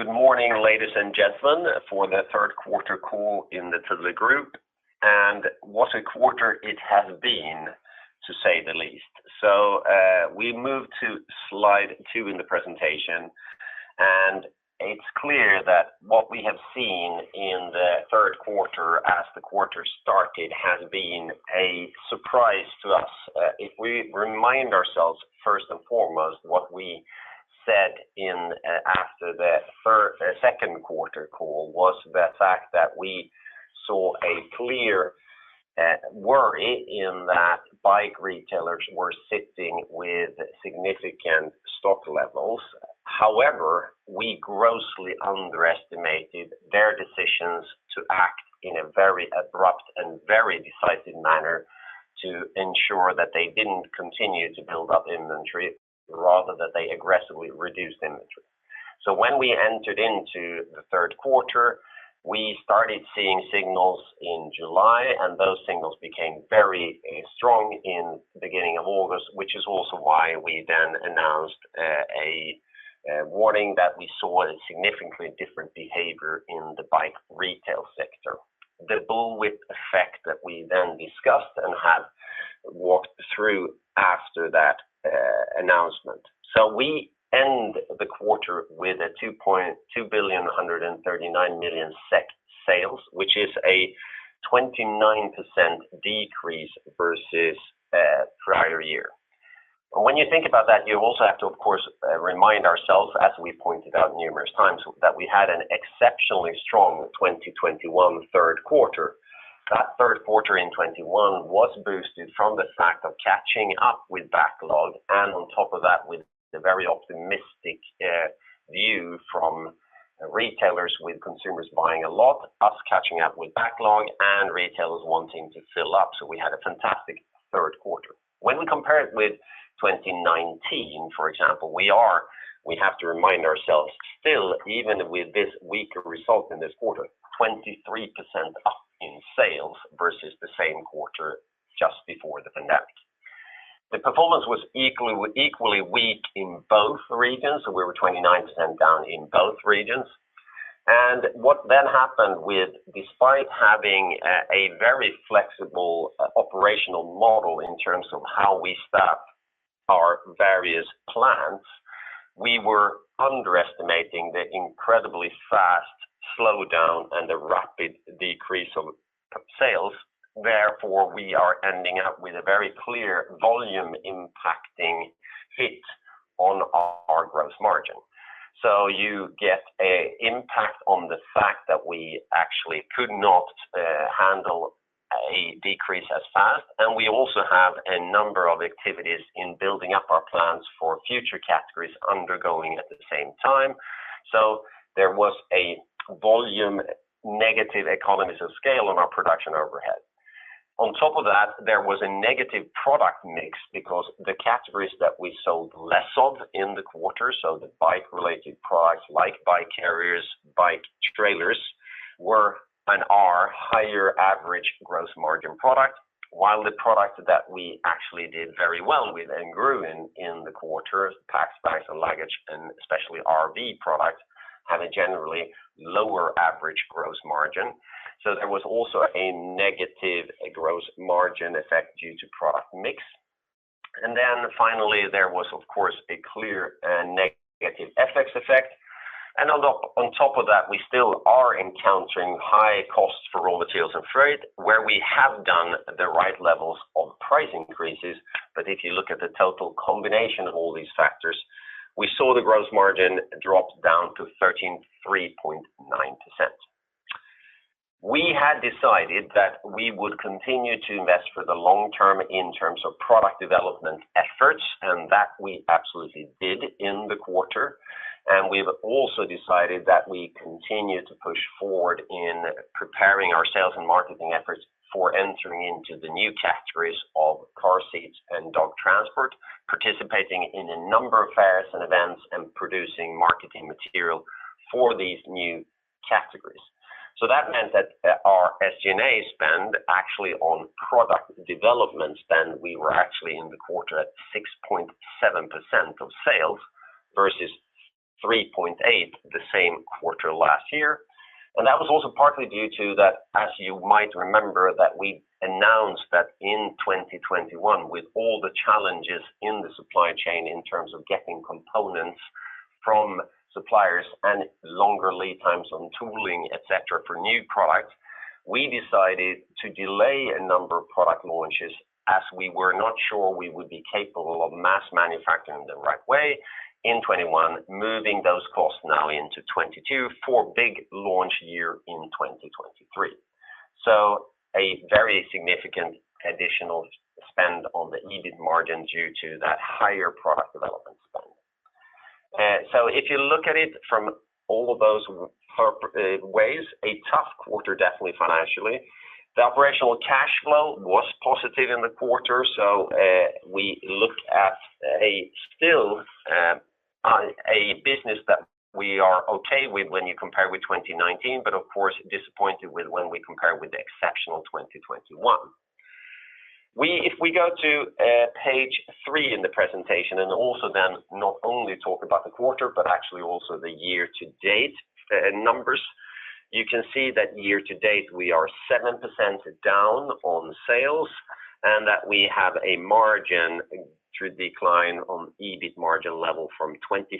Good morning, ladies and gentlemen, for the third quarter call in the Thule Group. What a quarter it has been, to say the least. We move to slide two in the presentation, and it's clear that what we have seen in the third quarter as the quarter started has been a surprise to us. If we remind ourselves first and foremost, what we said after the second quarter call was the fact that we saw a clear worry in that bike retailers were sitting with significant stock levels. However, we grossly underestimated their decisions to act in a very abrupt and very decisive manner to ensure that they didn't continue to build up inventory, rather that they aggressively reduced inventory. When we entered into the third quarter, we started seeing signals in July, and those signals became very strong in the beginning of August, which is also why we then announced a warning that we saw a significantly different behavior in the bike retail sector. The bullwhip effect that we then discussed and have walked through after that announcement. We end the quarter with 2,139 million SEK sales, which is a 29% decrease versus prior year. When you think about that, you also have to, of course, remind ourselves as we pointed out numerous times, that we had an exceptionally strong 2021 third quarter. That third quarter in 2021 was boosted from the fact of catching up with backlog and on top of that, with the very optimistic view from retailers, with consumers buying a lot, us catching up with backlog and retailers wanting to fill up. We had a fantastic third quarter. When we compare it with 2019, for example, we have to remind ourselves still, even with this weaker result in this quarter, 23% up in sales versus the same quarter just before the pandemic. The performance was equally weak in both regions, so we were 29% down in both regions. What then happened with despite having a very flexible operational model in terms of how we staff our various plants, we were underestimating the incredibly fast slowdown and the rapid decrease of sales. Therefore, we are ending up with a very clear volume impacting hit on our gross margin. You get an impact on the fact that we actually could not handle a decrease as fast. We also have a number of activities in building up our plans for future categories undergoing at the same time. There was a volume negative economies of scale on our production overhead. On top of that, there was a negative product mix because the categories that we sold less of in the quarter, so the bike related products like bike carriers, bike trailers were and are higher average gross margin product. While the product that we actually did very well with and grew in the quarter, Packs, Bags and Luggage, and especially RV Products, have a generally lower average gross margin. There was also a negative gross margin effect due to product mix. Finally, there was of course a clear negative FX effect. Although on top of that, we still are encountering high costs for raw materials and freight, where we have done the right levels of price increases. If you look at the total combination of all these factors, we saw the gross margin drop down to 13.39%. We had decided that we would continue to invest for the long term in terms of product development efforts, and that we absolutely did in the quarter. We've also decided that we continue to push forward in preparing our sales and marketing efforts for entering into the new categories of car seats and dog transport, participating in a number of fairs and events, and producing marketing material for these new categories. That meant that, our SG&A spend actually on product development spend, we were actually in the quarter at 6.7% of sales versus 3.8% the same quarter last year. That was also partly due to that, as you might remember, that we announced that in 2021, with all the challenges in the supply chain in terms of getting components from suppliers and longer lead times on tooling, et cetera, for new products, we decided to delay a number of product launches as we were not sure we would be capable of mass manufacturing the right way in 2021. Moving those costs now into 2022 for big launch year in 2023. A very significant additional spend on the EBIT margin due to that higher product development spend. If you look at it from all of those ways, a tough quarter, definitely financially. The operational cash flow was positive in the quarter. We look at still a business that we are okay with when you compare with 2019, but of course disappointed with when we compare with the exceptional 2021. If we go to page 3 in the presentation and also then not only talk about the quarter, but actually also the year to date numbers, you can see that year to date we are 7% down on sales and that we have a margin true decline on EBIT margin level from 25%-20%.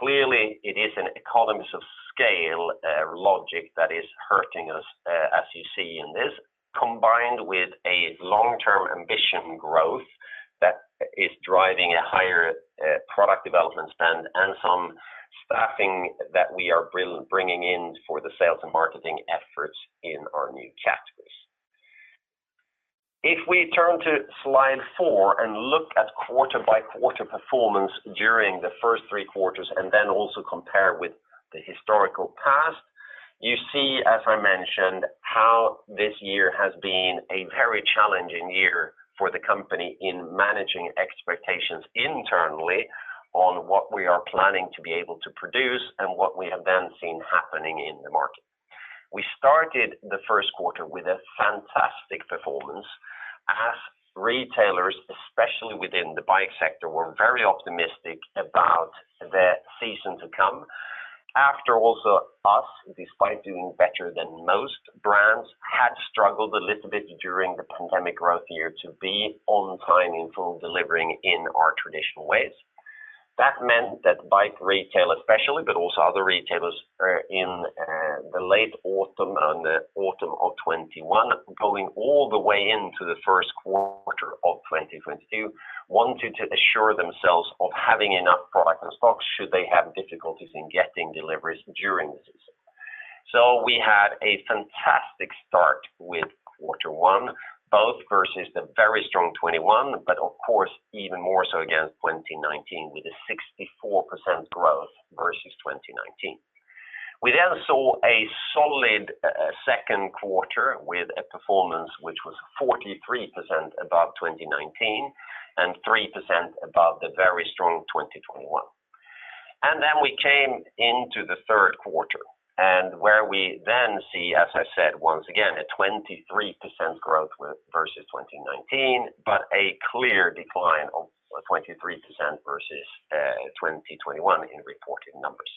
Clearly it is an economies of scale logic that is hurting us, as you see in this, combined with a long-term ambition growth that is driving a higher product development spend and some staffing that we are bringing in for the sales and marketing efforts in our new categories. If we turn to slide four and look at quarter by quarter performance during the first three quarters, and then also compare with the historical past, you see, as I mentioned, how this year has been a very challenging year for the company in managing expectations internally on what we are planning to be able to produce and what we have then seen happening in the market. We started the first quarter with a fantastic performance as retailers, especially within the bike sector, were very optimistic about their season to come. After all, we, despite doing better than most brands, had struggled a little bit during the pandemic growth year to be on-time in-full delivering in our traditional ways. That meant that bike retail especially, but also other retailers, in the late autumn and the autumn of 2021, going all the way into the first quarter of 2022, wanted to assure themselves of having enough product and stock should they have difficulties in getting deliveries during the season. We had a fantastic start with quarter one, both versus the very strong 2021, but of course, even more so against 2019 with a 64% growth versus 2019. We then saw a solid second quarter with a performance which was 43% above 2019 and 3% above the very strong 2021. We came into the third quarter and where we then see, as I said once again, a 23% growth with versus 2019, but a clear decline of 23% versus 2021 in reported numbers.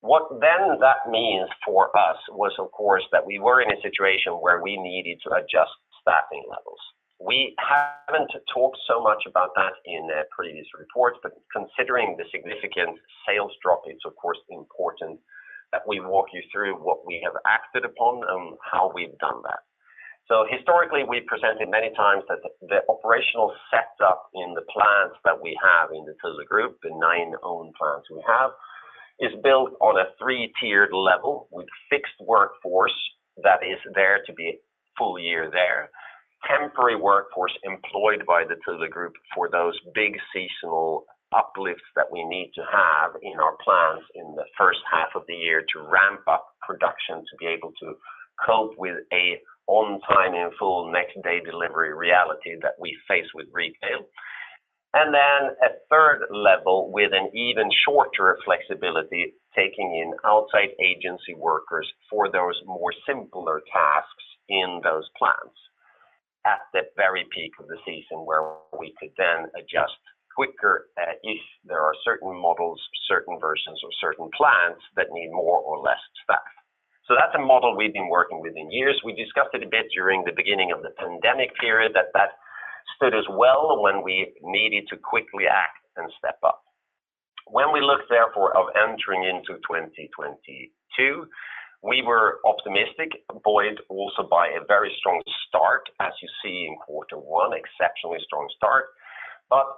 What then that means for us was of course, that we were in a situation where we needed to adjust staffing levels. We haven't talked so much about that in previous reports, but considering the significant sales drop, it's of course important that we walk you through what we have acted upon and how we've done that. Historically, we've presented many times that the operational setup in the plants that we have in the Thule Group, the 9 own plants we have, is built on a three-tiered level with fixed workforce that is there to be full year there. Temporary workforce employed by the Thule Group for those big seasonal uplifts that we need to have in our plants in the first half of the year to ramp up production to be able to cope with an On-Time In-Full next day delivery reality that we face with retail. Then a third level with an even shorter flexibility taking in outside agency workers for those more simpler tasks in those plants at the very peak of the season where we could then adjust quicker, if there are certain models, certain versions or certain plants that need more or less staff. That's a model we've been working with in years. We discussed it a bit during the beginning of the pandemic period that that stood us well when we needed to quickly act and step up. When we looked forward to entering into 2022, we were optimistic, buoyed also by a very strong start as you see in quarter one, exceptionally strong start.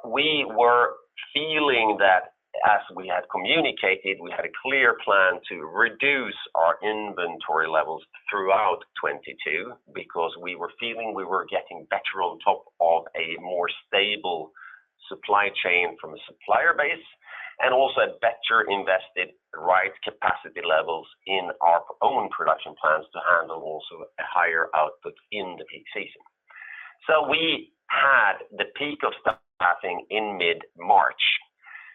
We were feeling that as we had communicated, we had a clear plan to reduce our inventory levels throughout 2022 because we were feeling we were getting better on top of a more stable supply chain from a supplier base and also a better invested right capacity levels in our own production plans to handle also a higher output in the peak season. We had the peak of staffing in mid-March.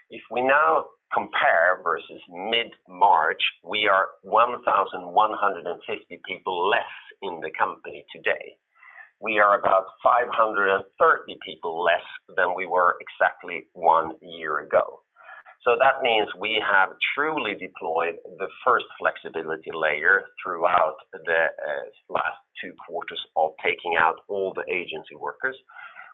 If we now compare versus mid-March, we are 1,150 people less in the company today. We are about 530 people less than we were exactly one year ago. That means we have truly deployed the first flexibility layer throughout the last two quarters of taking out all the agency workers.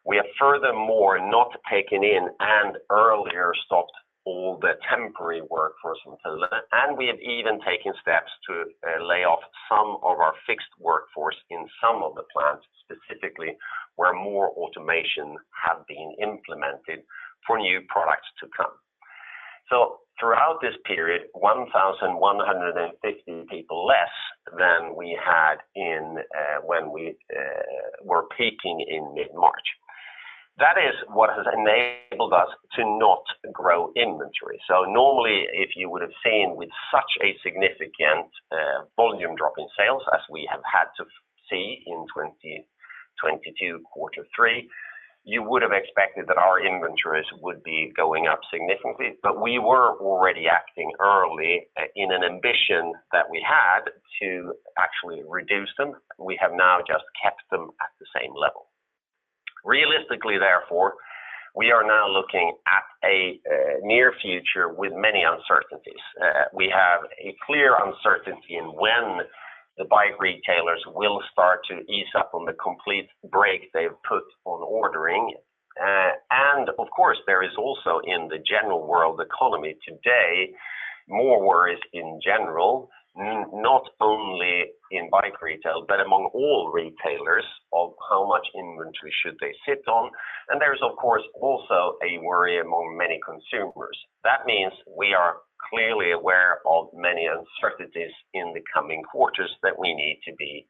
We have furthermore not taken in and earlier stopped all the temporary workforce in Thule, and we have even taken steps to lay off some of our fixed workforce in some of the plants specifically where more automation have been implemented for new products to come. Throughout this period, 1,150 people less than we had in when we were peaking in mid-March. That is what has enabled us to not grow inventory. Normally, if you would've seen with such a significant volume drop in sales as we have had to see in 2022 quarter three, you would have expected that our inventories would be going up significantly, but we were already acting early in an ambition that we had to actually reduce them. We have now just kept them at the same level. Realistically, therefore, we are now looking at a near future with many uncertainties. We have a clear uncertainty in when the bike retailers will start to ease up on the complete break they've put on ordering. Of course, there is also in the general world economy today, more worries in general, not only in bike retail, but among all retailers of how much inventory should they sit on. There's, of course, also a worry among many consumers. That means we are clearly aware of many uncertainties in the coming quarters that we need to be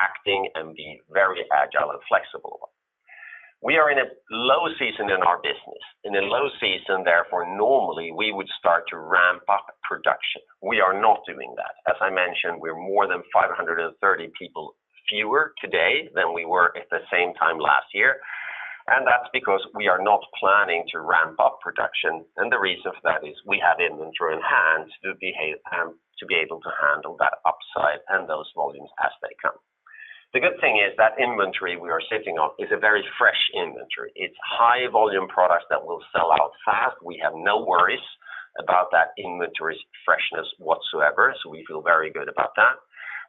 acting and be very agile and flexible. We are in a low season in our business. In a low season, therefore, normally we would start to ramp up production. We are not doing that. As I mentioned, we're more than 530 people fewer today than we were at the same time last year. That's because we are not planning to ramp up production. The reason for that is we have inventory in hand to be able to handle that upside and those volumes as they come. The good thing is that inventory we are sitting on is a very fresh inventory. It's high volume products that will sell out fast. We have no worries about that inventory's freshness whatsoever, so we feel very good about that.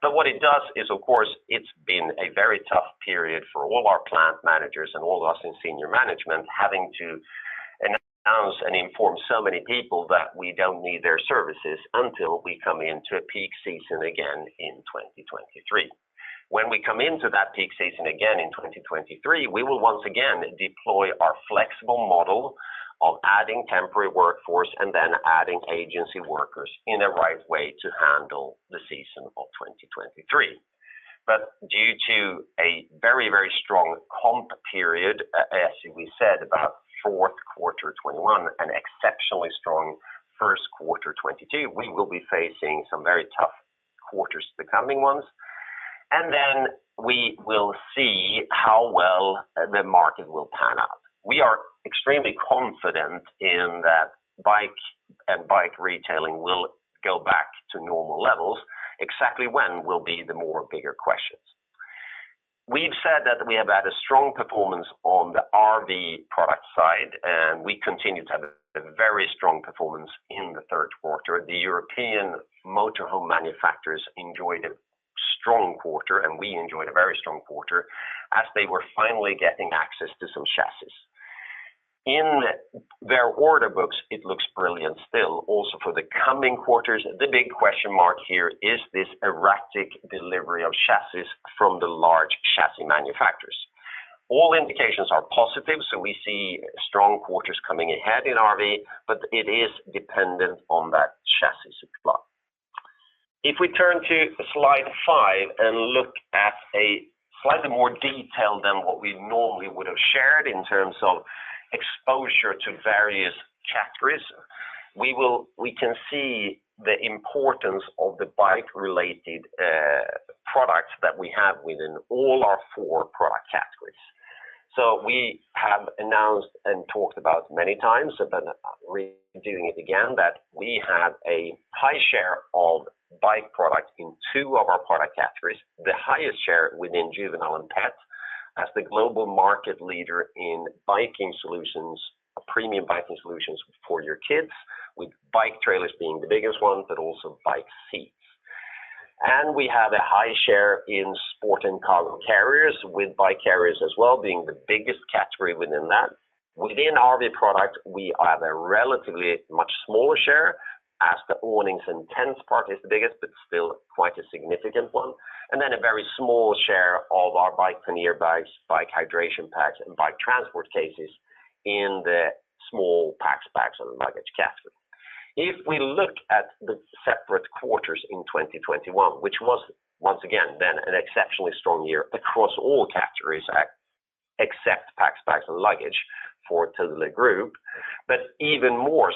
What it does is, of course, it's been a very tough period for all our plant managers and all of us in senior management having to announce and inform so many people that we don't need their services until we come into a peak season again in 2023. When we come into that peak season again in 2023, we will once again deploy our flexible model of adding temporary workforce and then adding agency workers in a right way to handle the season of 2023. Due to a very, very strong comp period, as we said, a fourth quarter 2021, an exceptionally strong first quarter 2022, we will be facing some very tough quarters, the coming ones. Then we will see how well the market will pan out. We are extremely confident in that bike and bike retailing will go back to normal levels. Exactly when will be the more bigger questions. We've said that we have had a strong performance on the RV Products side, and we continue to have a very strong performance in the third quarter. The European motorhome manufacturers enjoyed a strong quarter, and we enjoyed a very strong quarter as they were finally getting access to some chassis. In their order books, it looks brilliant still also for the coming quarters. The big question mark here is this erratic delivery of chassis from the large chassis manufacturers. All indications are positive, so we see strong quarters coming ahead in RV, but it is dependent on that chassis supply. If we turn to slide five and look at a slightly more detailed than what we normally would have shared in terms of exposure to various categories, we can see the importance of the bike related products that we have within all our four product categories. We have announced and talked about many times, so then redoing it again, that we have a high share of bike products in two of our product categories, the highest share within juvenile and pets as the global market leader in biking solutions, premium biking solutions for your kids, with bike trailers being the biggest ones, but also bike seats. We have a high share in sport and cargo carriers with bike carriers as well being the biggest category within that. Within RV Products, we have a relatively much smaller share as the awnings and tents part is the biggest, but still quite a significant one. A very small share of our bikes and e-bikes, bike hydration packs and bike transport cases in the small Packs, Bags & Luggage category. If we look at the separate quarters in 2021, which was once again then an exceptionally strong year across all categories except Packs, Bags & Luggage for Thule Group, but even more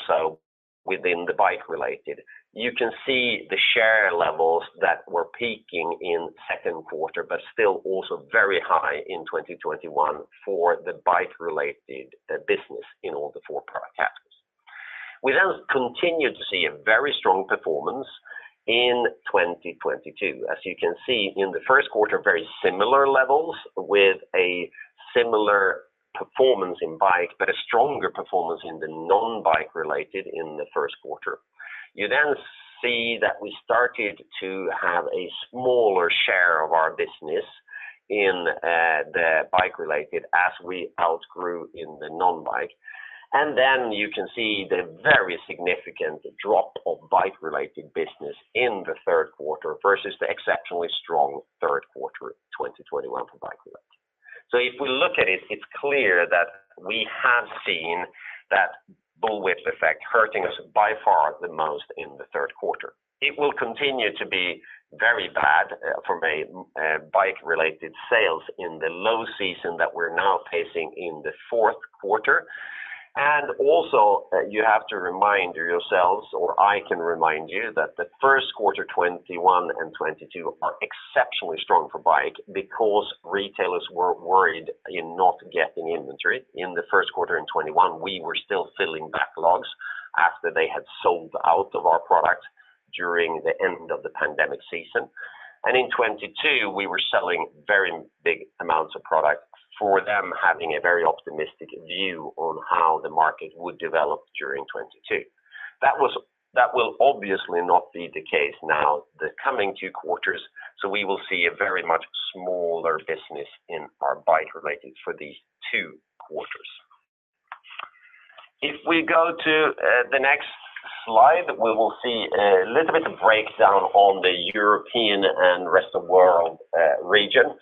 so within the bike related. You can see the share levels that were peaking in second quarter, but still also very high in 2021 for the bike related business in all the four product categories. We continued to see a very strong performance in 2022. As you can see in the first quarter, very similar levels with a similar performance in bike, but a stronger performance in the non-bike related in the first quarter. You then see that we started to have a smaller share of our business in the bike related as we outgrew in the non-bike. You can see the very significant drop of bike related business in the third quarter versus the exceptionally strong third quarter 2021 for bike related. If we look at it's clear that we have seen that bullwhip effect hurting us by far the most in the third quarter. It will continue to be very bad for a bike related sales in the low season that we're now pacing in the fourth quarter. Also you have to remind yourselves, or I can remind you that the first quarter 2021 and 2022 are exceptionally strong for bike because retailers were worried in not getting inventory. In the first quarter in 2021, we were still filling backlogs after they had sold out of our product during the end of the pandemic season. In 2022, we were selling very big amounts of product for them having a very optimistic view on how the market would develop during 2022. That will obviously not be the case now the coming two quarters, so we will see a very much smaller business in our bike related for these two quarters. If we go to the next slide, we will see a little bit of breakdown on the European and rest of world region.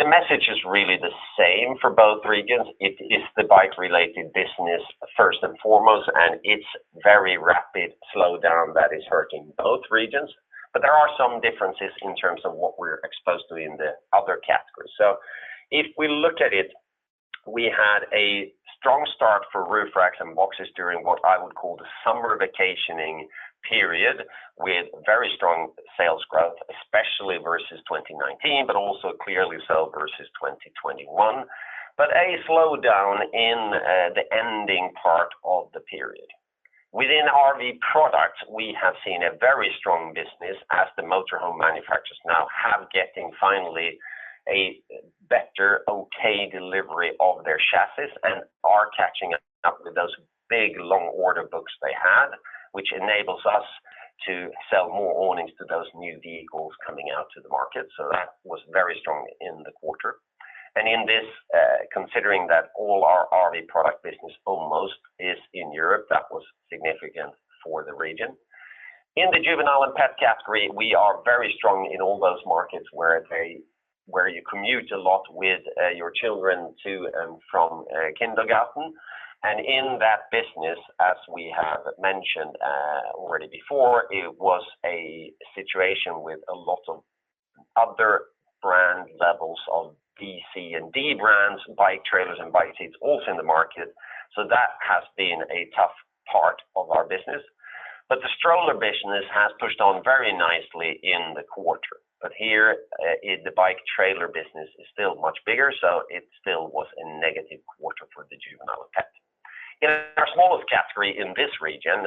The message is really the same for both regions. It is the bike related business first and foremost, and it's very rapid slowdown that is hurting both regions. There are some differences in terms of what we're exposed to in the other categories. If we look at it, we had a strong start for roof racks and boxes during what I would call the summer vacationing period, with very strong sales growth, especially versus 2019, but also clearly so versus 2021. A slowdown in the ending part of the period. Within RV Products, we have seen a very strong business as the motor home manufacturers now have getting finally a better okay delivery of their chassis and are catching up with those big long order books they had, which enables us to sell more awnings to those new vehicles coming out to the market. That was very strong in the quarter. In this, considering that all our RV Products business almost is in Europe, that was significant for the region. In the juvenile and pet category, we are very strong in all those markets where you commute a lot with your children to and from kindergarten. In that business, as we have mentioned already before, it was a situation with a lot of other brand levels of B, C and D brands, bike trailers and bike seats also in the market. That has been a tough part of our business. The stroller business has pushed on very nicely in the quarter. Here, the bike trailer business is still much bigger, so it still was a negative quarter for the Juvenile & Pet. In our smallest category in this region,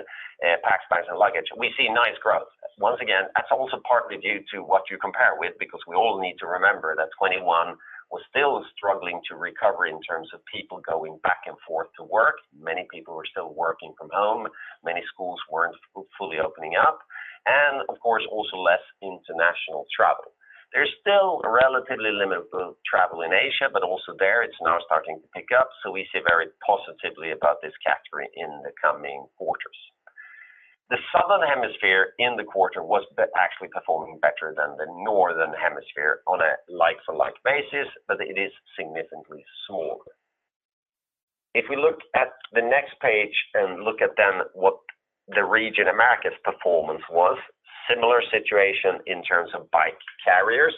Packs, Bags & Luggage, we see nice growth. Once again, that's also partly due to what you compare with, because we all need to remember that 2021 was still struggling to recover in terms of people going back and forth to work. Many people were still working from home. Many schools weren't fully opening up. Of course, also less international travel. There's still relatively limited travel in Asia, but also there it's now starting to pick up, so we see very positively about this category in the coming quarters. The southern hemisphere in the quarter was actually performing better than the northern hemisphere on a like for like basis, but it is significantly smaller. If we look at the next page and look at then what the region Americas performance was, similar situation in terms of bike carriers.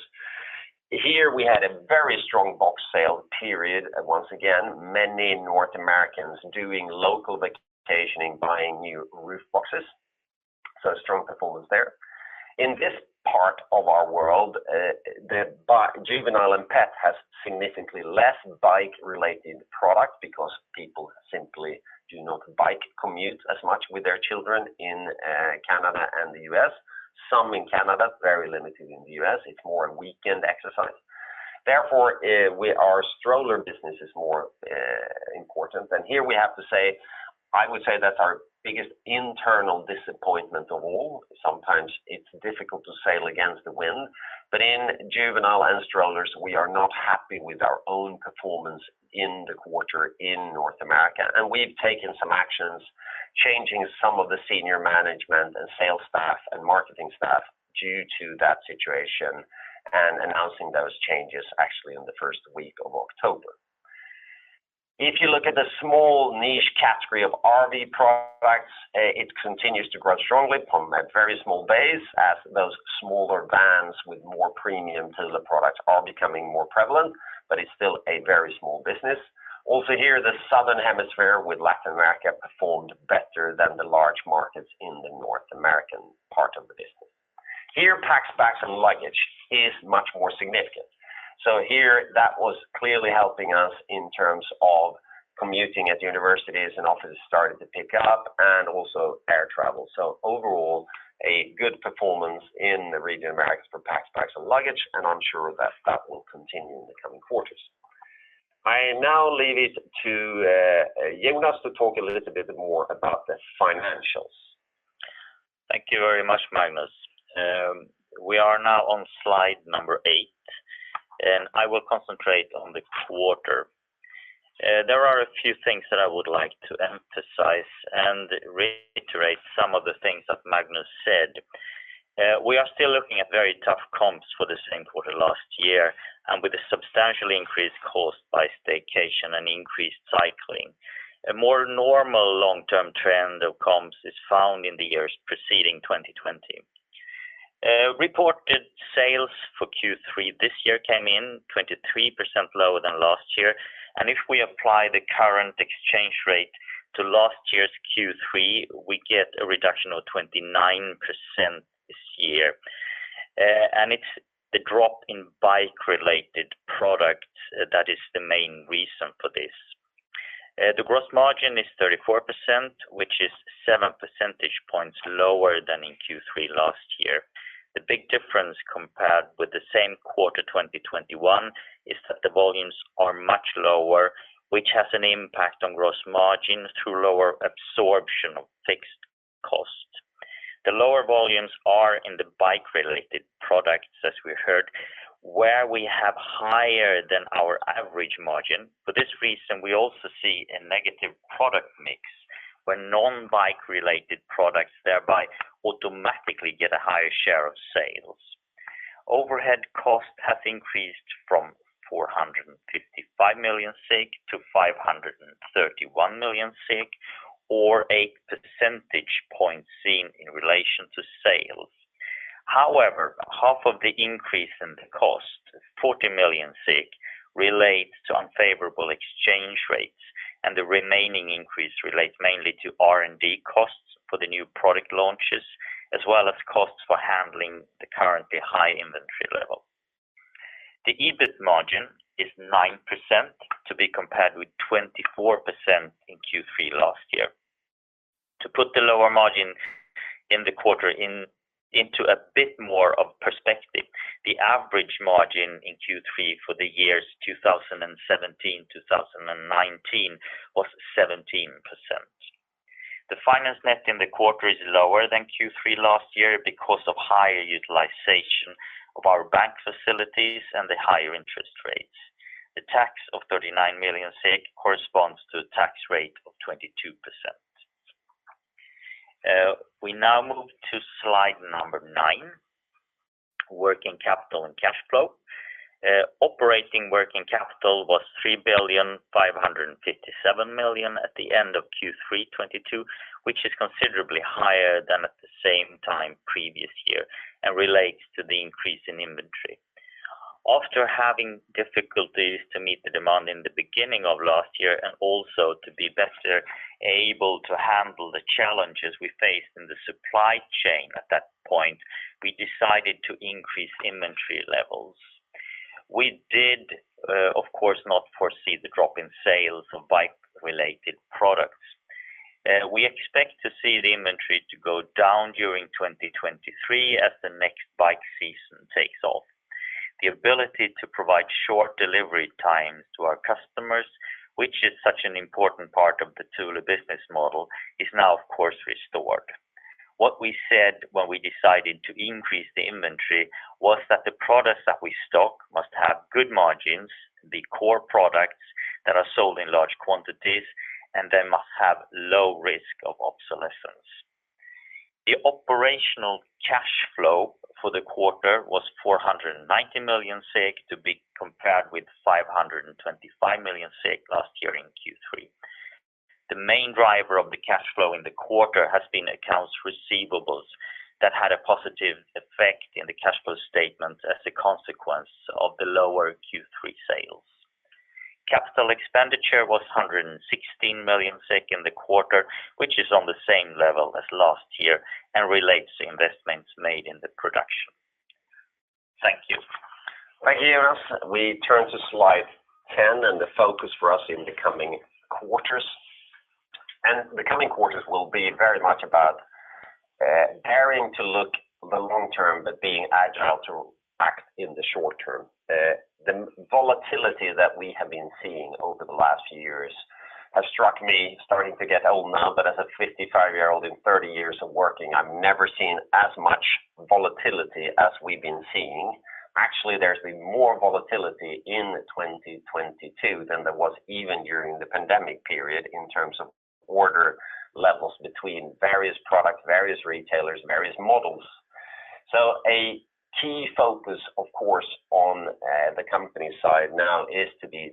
Here we had a very strong box sale period. Once again, many North Americans doing local vacationing, buying new roof boxes. Strong performance there. In this part of our world, the juvenile and pet has significantly less bike related products because people simply do not bike commute as much with their children in Canada and the US. Some in Canada, very limited in the U.S, it's more weekend exercise. Therefore, our stroller business is more important. Here we have to say, I would say that's our biggest internal disappointment of all. Sometimes it's difficult to sail against the wind. In juveniles and strollers, we are not happy with our own performance in the quarter in North America. We've taken some actions changing some of the senior management and sales staff and marketing staff due to that situation and announcing those changes actually in the first week of October. If you look at the small niche category of RV Products, it continues to grow strongly from a very small base as those smaller vans with more premium trailer products are becoming more prevalent, but it's still a very small business. Also here, the southern hemisphere with Latin America performed better than the large markets in the North American part of the business. Here, Packs, Bags & Luggage is much more significant. Here that was clearly helping us in terms of commuting at universities and offices started to pick up and also air travel. Overall, a good performance in the region of Americas for Packs, Bags & Luggage, and I'm sure that will continue in the coming quarters. I now leave it to Jonas to talk a little bit more about the financials. Thank you very much, Magnus. We are now on slide number 8, and I will concentrate on the quarter. There are a few things that I would like to emphasize and reiterate some of the things that Magnus said. We are still looking at very tough comps for the same quarter last year and with a substantially increased boost by staycation and increased cycling. A more normal long-term trend of comps is found in the years preceding 2020. Reported sales for Q3 this year came in 23% lower than last year. If we apply the current exchange rate to last year's Q3, we get a reduction of 29% this year. It's the drop in bike-related products that is the main reason for this. The gross margin is 34%, which is seven percentage points lower than in Q3 last year. The big difference compared with the same quarter 2021 is that the volumes are much lower, which has an impact on gross margins through lower absorption of fixed costs. The lower volumes are in the bike-related products, as we heard, where we have higher than our average margin. For this reason, we also see a negative product mix where non-bike related products thereby automatically get a higher share of sales. Overhead costs have increased from 455 million to 531 million, or 8 percentage points seen in relation to sales. However, half of the increase in the cost, 40 million, relates to unfavorable exchange rates, and the remaining increase relates mainly to R&D costs for the new product launches, as well as costs for handling the currently high inventory level. The EBIT margin is 9% to be compared with 24% in Q3 last year. To put the lower margin in the quarter into a bit more of perspective, the average margin in Q3 for the years 2017, 2019 was 17%. The financial net in the quarter is lower than Q3 last year because of higher utilization of our bank facilities and the higher interest rates. The tax of 39 million corresponds to a tax rate of 22%. We now move to slide 9, working capital and cash flow. Operating working capital was 3,557 million at the end of Q3 2022, which is considerably higher than at the same time previous year and relates to the increase in inventory. After having difficulties to meet the demand in the beginning of last year and also to be better able to handle the challenges we faced in the supply chain at that point, we decided to increase inventory levels. We did, of course, not foresee the drop in sales of bike-related products. We expect to see the inventory to go down during 2023 as the next bike season takes off. The ability to provide short delivery times to our customers, which is such an important part of the Thule business model, is now, of course, restored. What we said when we decided to increase the inventory was that the products that we stock must have good margins, the core products that are sold in large quantities, and they must have low risk of obsolescence. The operational cash flow for the quarter was 490 million SEK to be compared with 525 million SEK last year in Q3. The main driver of the cash flow in the quarter has been accounts receivables that had a positive effect in the cash flow statement as a consequence of the lower Q3 sales. Capital expenditure was 116 million SEK in the quarter, which is on the same level as last year and relates to investments made in the production. Thank you. Thank you, Jonas. We turn to slide 10 and the focus for us in the coming quarters. The coming quarters will be very much about daring to look the long term, but being agile to act in the short term. The volatility that we have been seeing over the last years has struck me starting to get old now. As a 55-year-old, in 30 years of working, I've never seen as much volatility as we've been seeing. Actually, there's been more volatility in 2022 than there was even during the pandemic period in terms of order levels between various products, various retailers, various models. A key focus, of course, on the company side now is to be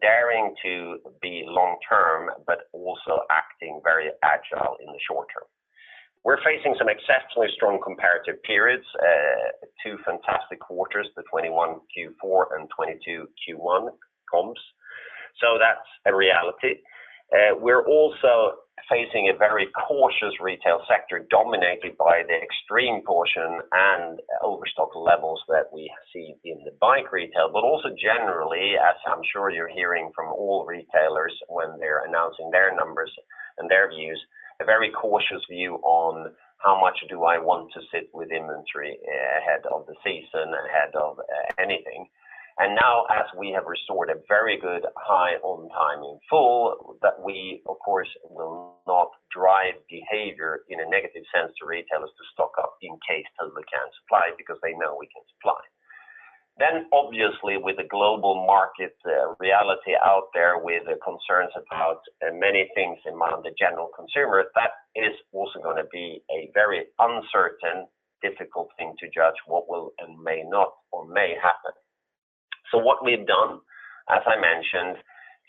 daring to be long term, but also acting very agile in the short term. We're facing some exceptionally strong comparative periods, two fantastic quarters, the 2021 Q4 and 2022 Q1 comps. That's a reality. We're also facing a very cautious retail sector dominated by the extreme caution and overstock levels that we see in the bike retail, but also generally, as I'm sure you're hearing from all retailers when they're announcing their numbers and their views, a very cautious view on how much do I want to sit with inventory ahead of the season, ahead of anything. Now, as we have restored a very good high On-Time In-Full, that we of course will not drive behavior in a negative sense to retailers to stock up in case Thule can't supply because they know we can supply. Obviously with the global market reality out there with concerns about many things in mind of the general consumer, that is also gonna be a very uncertain, difficult thing to judge what will and may not or may happen. What we've done, as I mentioned,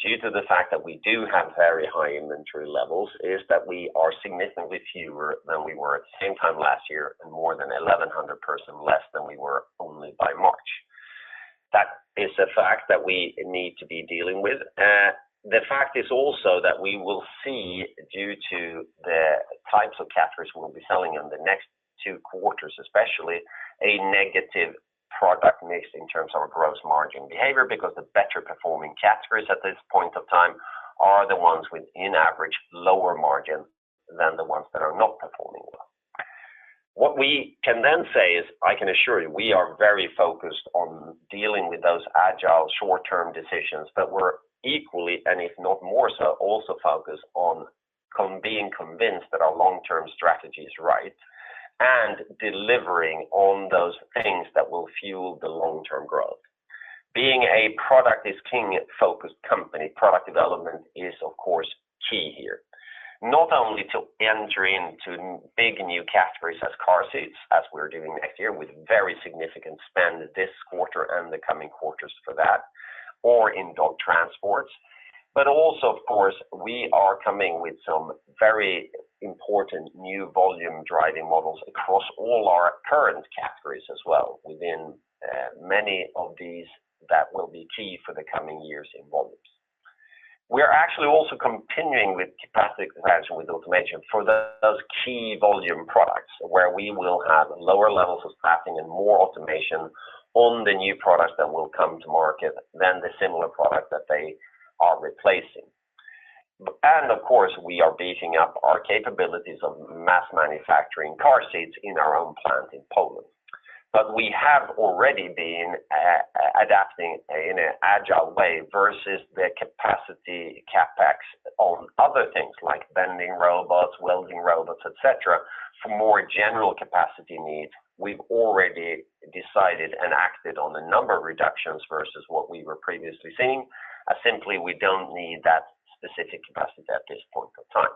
due to the fact that we do have very high inventory levels, is that we are significantly fewer than we were at the same time last year and more than 1,100 persons less than we were only by March. That is a fact that we need to be dealing with. The fact is also that we will see due to the types of categories we'll be selling in the next two quarters, especially a negative product mix in terms of our gross margin behavior, because the better performing categories at this point of time are the ones with an average lower margin than the ones that are not performing well. What we can then say is, I can assure you, we are very focused on dealing with those agile short-term decisions, but we're equally, and if not more so, also focused on being convinced that our long-term strategy is right and delivering on those things that will fuel the long-term growth. Being a product is king focused company, product development is of course key here, not only to enter into big new categories as car seats as we're doing next year with very significant spend this quarter and the coming quarters for that or in dog transports. Also, of course, we are coming with some very important new volume driving models across all our current categories as well within many of these that will be key for the coming years in volumes. We're actually also continuing with capacity expansion with automation for those key volume products where we will have lower levels of staffing and more automation on the new products that will come to market than the similar product that they are replacing. Of course, we are beefing up our capabilities of mass manufacturing car seats in our own plant in Poland. We have already been adapting in an agile way versus the capacity CapEx on other things like bending robots, welding robots, et cetera, for more general capacity needs. We've already decided and acted on a number of reductions versus what we were previously seeing, as simply we don't need that specific capacity at this point of time.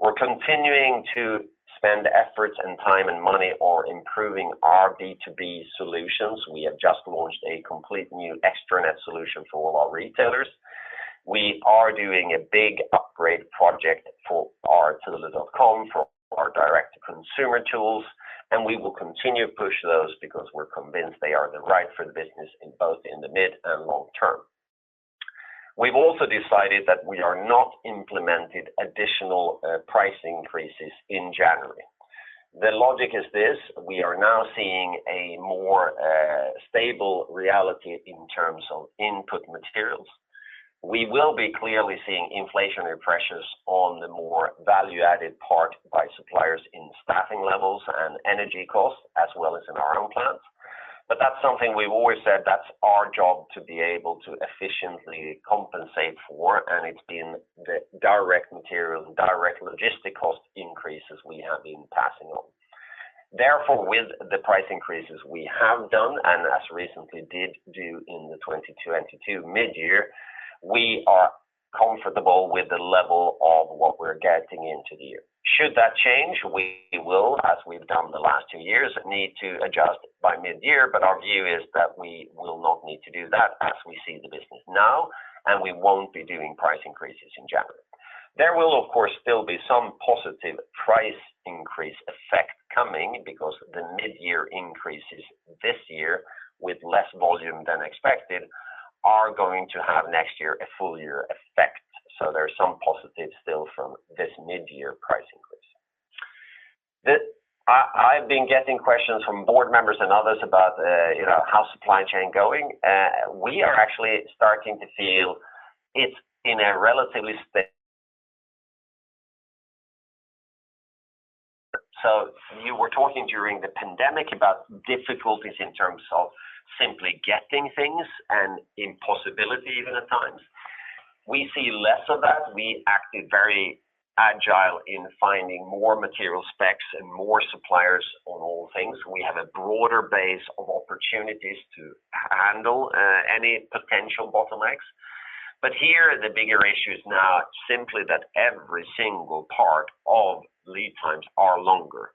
We're continuing to spend efforts and time and money on improving our B2B solutions. We have just launched a complete new extranet solution for all our retailers. We are doing a big upgrade project for our thule.com for our direct-to-consumer tools, and we will continue to push those because we're convinced they are the right for the business in both the mid- and long-term. We've also decided that we are not implemented additional price increases in January. The logic is this, we are now seeing a more stable reality in terms of input materials. We will be clearly seeing inflationary pressures on the more value-added part by suppliers in staffing levels and energy costs as well as in our own plants. That's something we've always said that's our job to be able to efficiently compensate for, and it's been the direct material and direct logistic cost increases we have been passing on. Therefore, with the price increases we have done, and as recently did do in the 2022 midyear, we are comfortable with the level of what we're getting into the year. Should that change, we will, as we've done the last two years, need to adjust by midyear, but our view is that we will not need to do that as we see the business now, and we won't be doing price increases in January. There will, of course, still be some positive price increase effect coming because the midyear increases this year with less volume than expected are going to have next year a full year effect. There's some positive still from this midyear price increase. I've been getting questions from board members and others about how supply chain going. We are actually starting to feel it's in a relatively stable. You were talking during the pandemic about difficulties in terms of simply getting things and impossibility even at times. We see less of that. We acted very agile in finding more material specs and more suppliers on all things. We have a broader base of opportunities to handle any potential bottlenecks. Here the bigger issue is now simply that every single part of lead times are longer.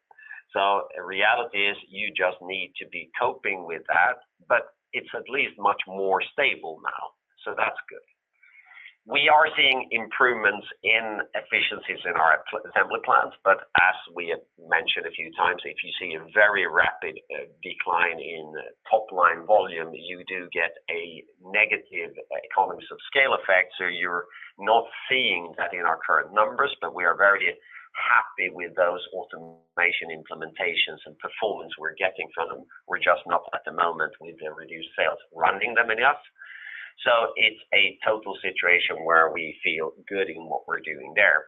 Reality is you just need to be coping with that, but it's at least much more stable now, so that's good. We are seeing improvements in efficiencies in our assembly plants, but as we have mentioned a few times, if you see a very rapid decline in top-line volume, you do get a negative economies of scale effect. You're not seeing that in our current numbers, but we are very happy with those automation implementations and performance we're getting from them. We're just not at the moment with the reduced sales running them enough. It's a total situation where we feel good in what we're doing there.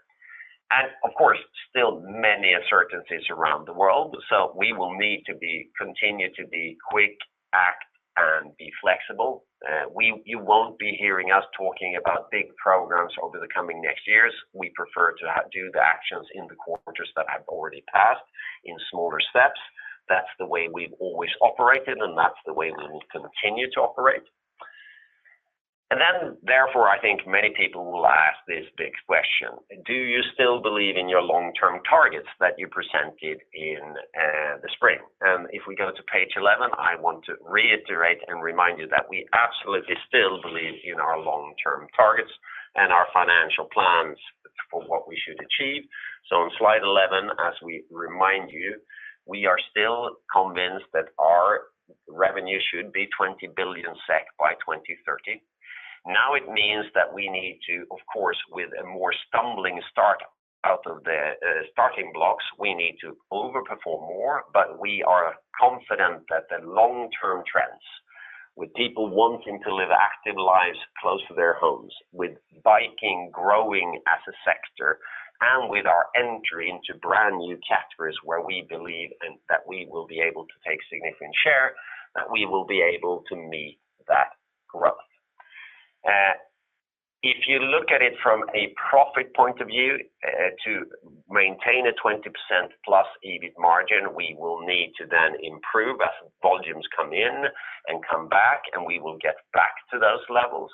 Of course, there are still many uncertainties around the world. We will need to continue to be quick, act, and be flexible. You won't be hearing us talking about big programs over the coming next years. We prefer to do the actions in the quarters that have already passed in smaller steps. That's the way we've always operated, and that's the way we will continue to operate. Therefore, I think many people will ask this big question. Do you still believe in your long-term targets that you presented in the spring? If we go to page 11, I want to reiterate and remind you that we absolutely still believe in our long-term targets and our financial plans for what we should achieve. On slide 11, as we remind you, we are still convinced that our revenue should be 20 billion SEK by 2030. Now it means that we need to, of course, with a more stumbling start out of the starting blocks, we need to over perform more, but we are confident that the long term trends with people wanting to live active lives close to their homes, with biking growing as a sector, and with our entry into brand new categories where we believe and that we will be able to take significant share, that we will be able to meet that growth. If you look at it from a profit point of view, to maintain a 20%+ EBIT margin, we will need to then improve as volumes come in and come back, and we will get back to those levels.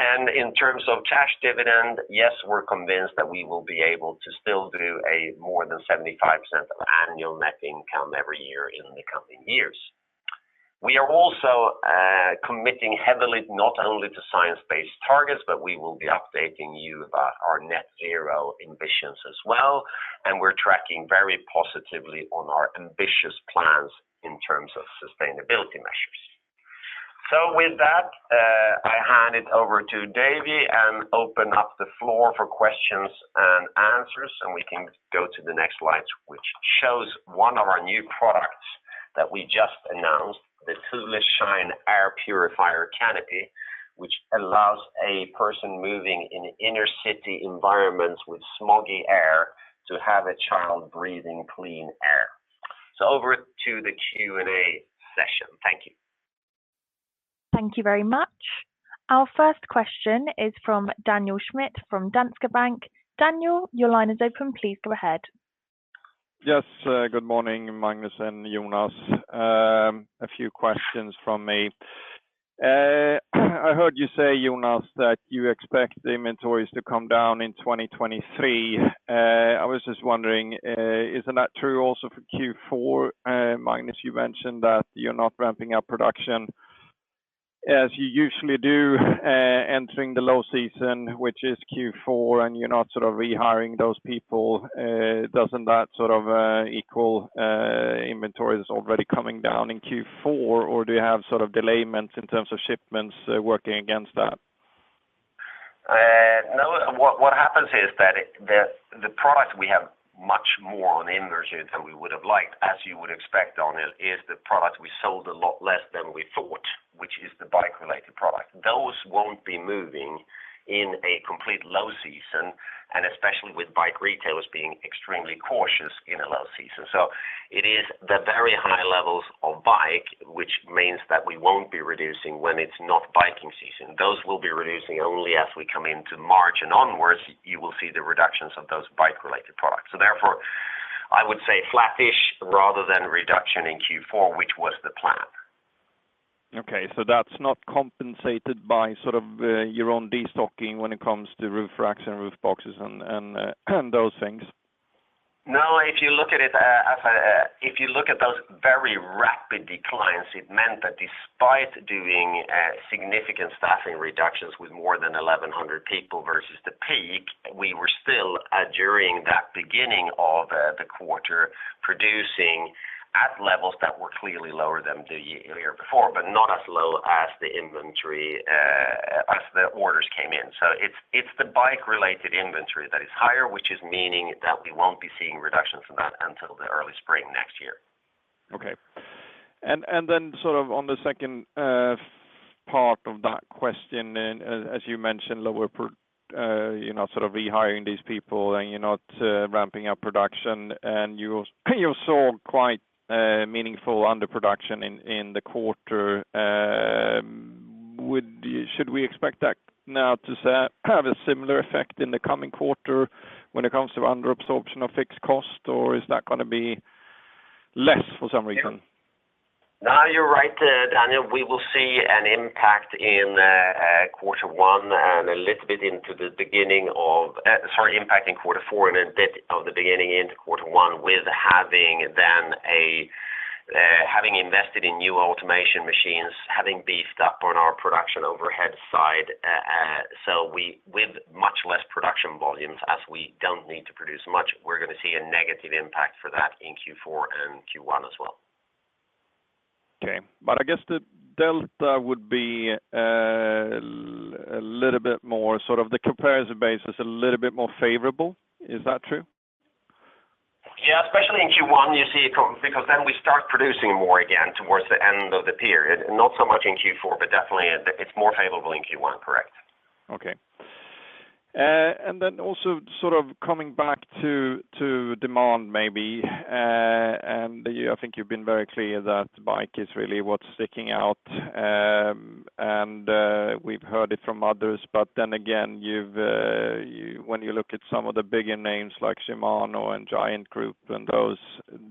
In terms of cash dividend, yes, we're convinced that we will be able to still do a more than 0.75 annual net income every year in the coming years. We are also committing heavily not only to Science Based Targets, but we will be updating you about our net zero ambitions as well. We're tracking very positively on our ambitious plans in terms of sustainability measures. With that, I hand it over to Davy and open up the floor for questions and answers, and we can go to the next slide, which shows one of our new products that we just announced, the Thule Shine Air Purifier Canopy, which allows a person moving in inner city environments with smoggy air to have a child breathing clean air. Over to the Q&A session. Thank you. Thank you very much. Our first question is from Daniel Schmidt from Danske Bank. Daniel, your line is open. Please go ahead. Yes, good morning, Magnus and Jonas. A few questions from me. I heard you say, Jonas, that you expect the inventories to come down in 2023. I was just wondering, isn't that true also for Q4? Magnus, you mentioned that you're not ramping up production as you usually do, entering the low season, which is Q4, and you're not sort of rehiring those people. Doesn't that sort of equal inventories already coming down in Q4, or do you have sort of delays in terms of shipments working against that? No. What happens is that it—the product we have much more in inventory than we would have liked, as you would expect of it, is the product we sold a lot less than we thought, which is the bike related product. Those won't be moving in a complete low season, and especially with bike retailers being extremely cautious in a low season. It is the very high levels of bike, which means that we won't be reducing when it's not biking season. Those will be reducing only as we come into March and onwards. You will see the reductions of those bike related products. Therefore, I would say flattish rather than reduction in Q4, which was the plan. Okay. That's not compensated by sort of your own destocking when it comes to roof racks and roof boxes and those things? No. If you look at it, if you look at those very rapid declines, it meant that despite doing significant staffing reductions with more than 1,100 people versus the peak, we were still during the beginning of the quarter producing at levels that were clearly lower than the year before, but not as low as the inventory as the orders came in. It's the bike-related inventory that is higher, which is meaning that we won't be seeing reductions in that until the early spring next year. Sort of on the second part of that question, and as you mentioned, you know, sort of rehiring these people and you're not ramping up production and you saw quite meaningful underproduction in the quarter. Should we expect that now to have a similar effect in the coming quarter when it comes to under absorption of fixed cost, or is that going to be less for some reason? No, you're right, Daniel. We will see an impact in quarter four and a bit of the beginning into quarter one with having invested in new automation machines, having beefed up on our production overhead side. With much less production volumes, as we don't need to produce much, we're going to see a negative impact for that in Q4 and Q1 as well. Okay. I guess the delta would be, a little bit more, sort of the comparison base is a little bit more favorable. Is that true? Yeah, especially in Q1, you see, because then we start producing more again towards the end of the period. Not so much in Q4, but definitely it's more favorable in Q1, correct? Okay. Also sort of coming back to demand maybe. I think you've been very clear that bike is really what's sticking out. We've heard it from others. When you look at some of the bigger names like Shimano and Giant Group and those,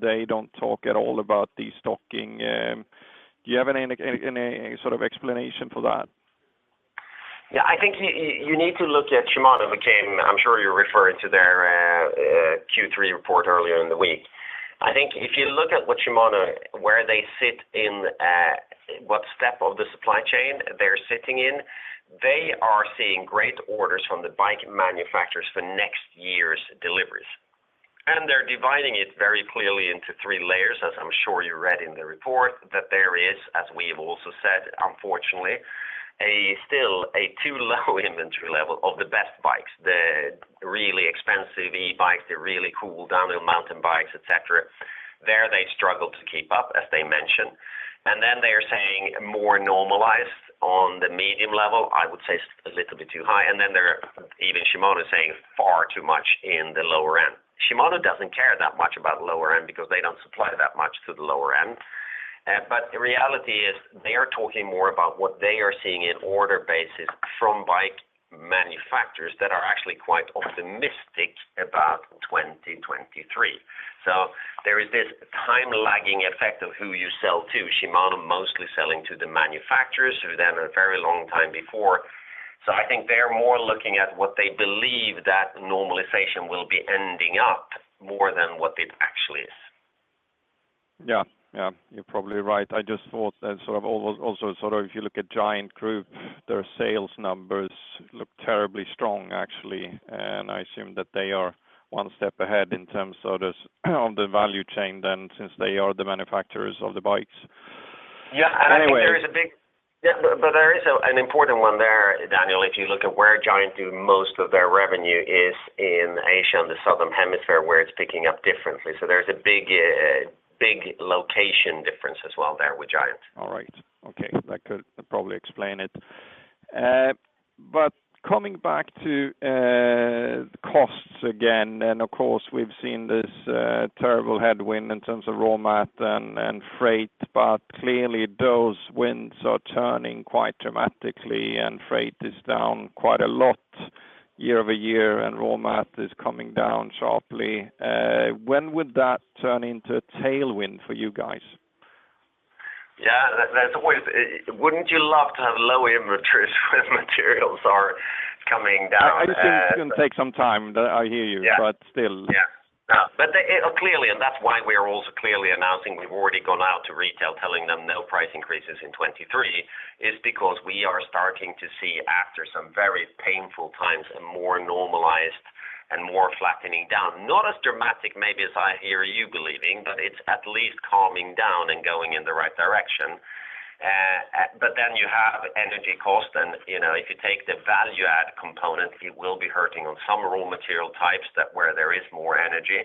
they don't talk at all about destocking. Do you have any sort of explanation for that? Yeah, I think you need to look at Shimano. I'm sure you're referring to their Q3 report earlier in the week. I think if you look at what Shimano, where they sit in what step of the supply chain they're sitting in, they are seeing great orders from the bike manufacturers for next year's deliveries. They're dividing it very clearly into three layers, as I'm sure you read in the report, that there is, as we have also said, unfortunately, a still too low inventory level of the best bikes, the really expensive e-bikes, the really cool downhill mountain bikes, et cetera. There they struggle to keep up, as they mentioned. Then they are saying more normalized on the medium level, I would say a little bit too high. Even Shimano is saying far too much in the lower end. Shimano doesn't care that much about lower end because they don't supply that much to the lower end. The reality is they are talking more about what they are seeing in order basis from bike manufacturers that are actually quite optimistic about 2023. There is this time lagging effect of who you sell to. Shimano mostly selling to the manufacturers who then a very long time before. I think they're more looking at what they believe that normalization will be ending up more than what it actually is. Yeah. Yeah, you're probably right. I just thought that sort of also sort of if you look at Giant Group, their sales numbers look terribly strong, actually. I assume that they are one step ahead in terms of this, of the value chain then since they are the manufacturers of the bikes. Yeah. I think there is a big- Anyway. Yeah, there is an important one there, Daniel, if you look at where Giant do most of their revenue is in Asia and the Southern Hemisphere, where it's picking up differently. There's a big location difference as well there with Giant. All right. Okay. That could probably explain it. Coming back to the costs again, and of course, we've seen this terrible headwind in terms of raw mat and freight, but clearly those winds are turning quite dramatically and freight is down quite a lot year-over-year, and raw mat is coming down sharply. When would that turn into a tailwind for you guys? Yeah. Wouldn't you love to have low inventories when materials are coming down? I just think it's gonna take some time. I hear you. Yeah. still. Clearly, that's why we are also clearly announcing we've already gone out to retail telling them no price increases in 2023, is because we are starting to see after some very painful times, a more normalized and more flattening down. Not as dramatic maybe as I hear you believing, it's at least calming down and going in the right direction. Then you have energy cost and, you know, if you take the value add component, it will be hurting on some raw material types that where there is more energy.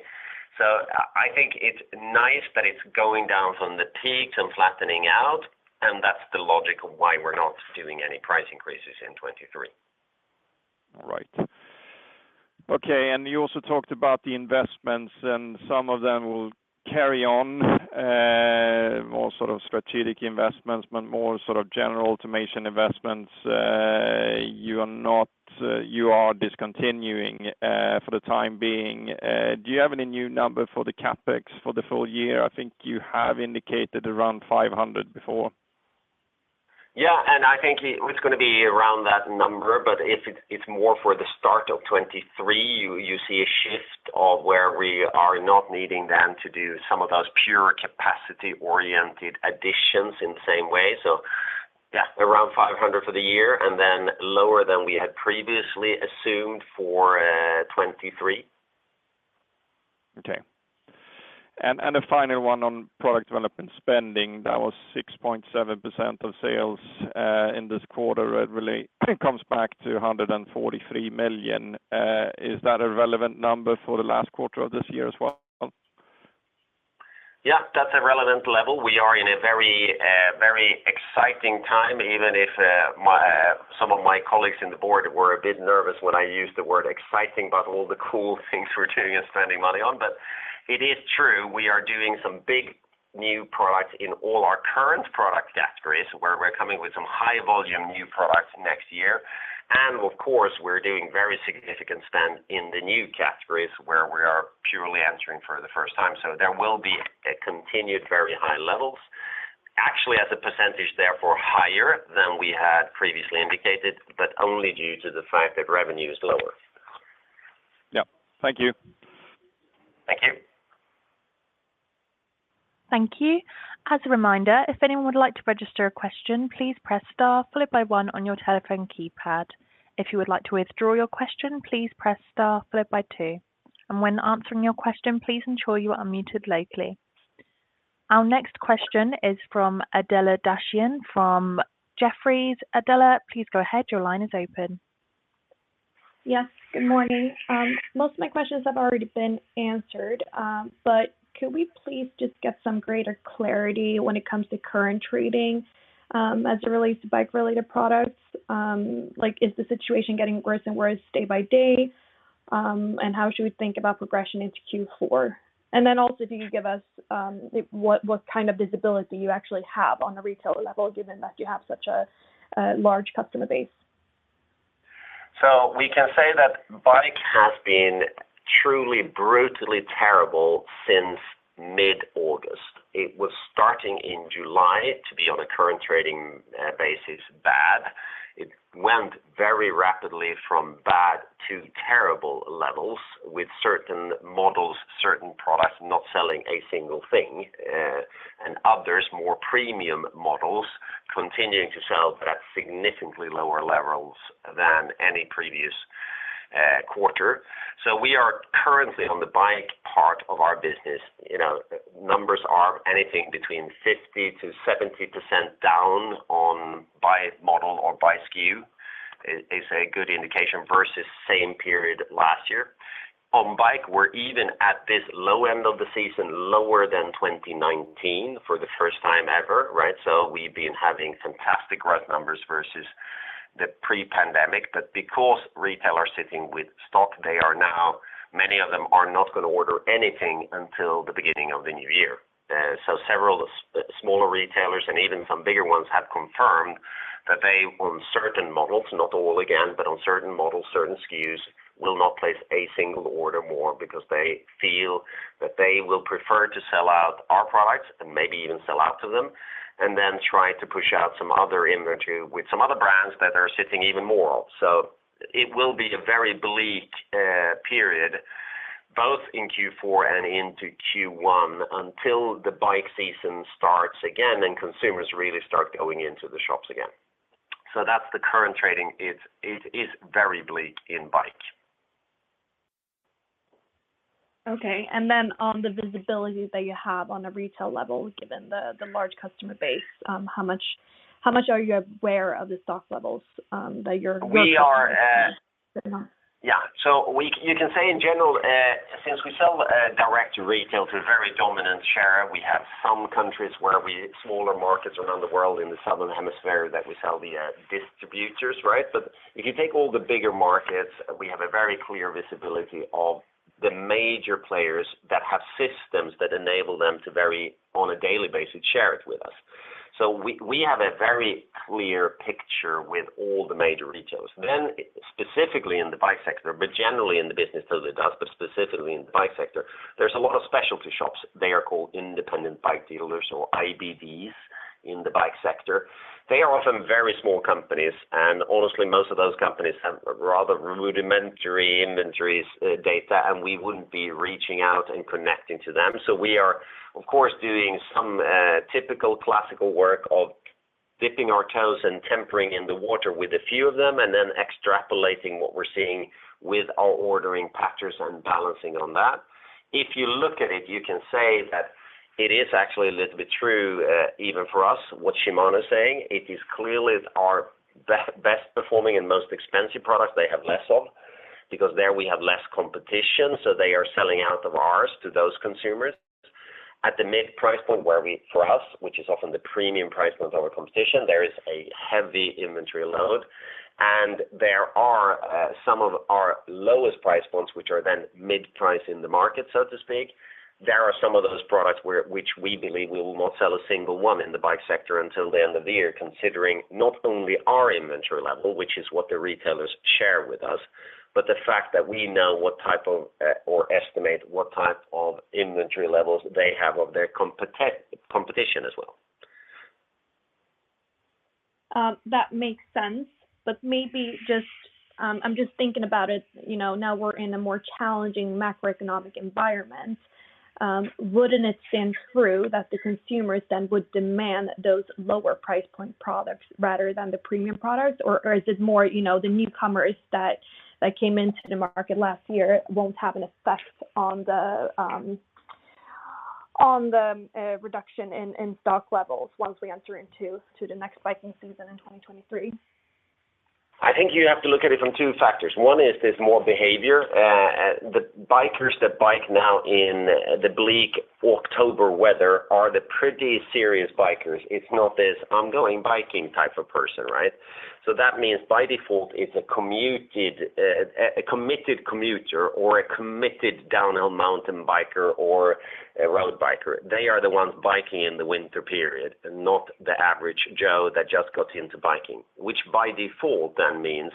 I think it's nice that it's going down from the peaks and flattening out, and that's the logic of why we're not doing any price increases in 2023. Right. Okay. You also talked about the investments, and some of them will carry on, more sort of strategic investments, but more sort of general automation investments. You are discontinuing for the time being. Do you have any new number for the CapEx for the full year? I think you have indicated around 500 before. Yeah. I think it was gonna be around that number. If it's more for the start of 2023, you see a shift of where we are not needing then to do some of those pure capacity-oriented additions in the same way. Yeah, around 500 for the year and then lower than we had previously assumed for 2023. A final one on product development spending. That was 6.7% of sales in this quarter. It really comes back to 143 million. Is that a relevant number for the last quarter of this year as well? Yeah, that's a relevant level. We are in a very, very exciting time, even if some of my colleagues in the board were a bit nervous when I used the word exciting about all the cool things we're doing and spending money on. It is true, we are doing some big new products in all our current product categories, where we're coming with some high volume new products next year. Of course, we're doing very significant spend in the new categories where we are purely entering for the first time. There will be a continued very high levels. Actually, as a percentage, therefore, higher than we had previously indicated, but only due to the fact that revenue is lower. Yeah. Thank you. Thank you. Thank you. As a reminder, if anyone would like to register a question, please press star followed by one on your telephone keypad. If you would like to withdraw your question, please press star followed by two. When answering your question, please ensure you are unmuted locally. Our next question is from Adela Dashian from Jefferies. Adela, please go ahead. Your line is open. Yes. Good morning. Most of my questions have already been answered, but could we please just get some greater clarity when it comes to current trading, as it relates to bike-related products? Like, is the situation getting worse and worse day by day? And how should we think about progression into Q4? Then also, if you could give us what kind of visibility you actually have on a retail level, given that you have such a large customer base? We can say that bike has been truly brutally terrible since mid-August. It was starting in July to be on a current trading basis bad. It went very rapidly from bad to terrible levels with certain models, certain products not selling a single thing, and others more premium models continuing to sell but at significantly lower levels than any previous quarter. We are currently on the bike part of our business, you know, numbers are anything between 50%-70% down on by model or by SKU is a good indication versus same period last year. On bike, we're even at this low end of the season, lower than 2019 for the first time ever, right? We've been having fantastic growth numbers versus the pre-pandemic. Because retailers are sitting with stock, they are now, many of them are not going to order anything until the beginning of the new year. Several smaller retailers and even some bigger ones have confirmed that they, on certain models, not all again, but on certain models, certain SKUs, will not place a single order more because they feel that they will prefer to sell out our products and maybe even sell out of them, and then try to push out some other inventory with some other brands that are sitting even more. It will be a very bleak period, both in Q4 and into Q1, until the bike season starts again and consumers really start going into the shops again. That's the current trading. It's very bleak in bike. Okay. On the visibility that you have on the retail level, given the large customer base, how much are you aware of the stock levels that your customers have at the moment? You can say in general, since we sell direct to retail to a very dominant share, we have some countries where smaller markets around the world in the southern hemisphere that we sell via distributors, right? But if you take all the bigger markets, we have a very clear visibility of the major players that have systems that enable them to very on a daily basis share it with us. We have a very clear picture with all the major retailers. Then specifically in the bike sector, but generally in the business as it does, but specifically in the bike sector, there is a lot of specialty shops. They are called independent bike dealers or IBDs in the bike sector. They are often very small companies, and honestly, most of those companies have rather rudimentary inventories, data, and we wouldn't be reaching out and connecting to them. We are, of course, doing some typical classical work of dipping our toes and testing the water with a few of them and then extrapolating what we're seeing with our ordering patterns and balancing on that. If you look at it, you can say that it is actually a little bit true, even for us, what Shimano is saying, it is clearly our best performing and most expensive products they have less of because there we have less competition, so they are selling out of ours to those consumers. At the mid-price point where, for us, which is often the premium price point of our competition, there is a heavy inventory load. There are some of our lowest price points, which are then mid-price in the market, so to speak. There are some of those products which we believe we will not sell a single one in the bike sector until the end of the year, considering not only our inventory level, which is what the retailers share with us, but the fact that we know what type of or estimate what type of inventory levels they have of their competition as well. That makes sense. Maybe just, I'm just thinking about it, you know, now we're in a more challenging macroeconomic environment, wouldn't it stand true that the consumers then would demand those lower price point products rather than the premium products? Or is it more, you know, the newcomers that came into the market last year won't have an effect on the reduction in stock levels once we enter into the next biking season in 2023? I think you have to look at it from two factors. One is there's more behavior. The bikers that bike now in the bleak October weather are the pretty serious bikers. It's not this ongoing biking type of person, right? That means by default, it's a committed commuter or a committed downhill mountain biker or a road biker. They are the ones biking in the winter period, not the average Joe that just got into biking. Which by default then means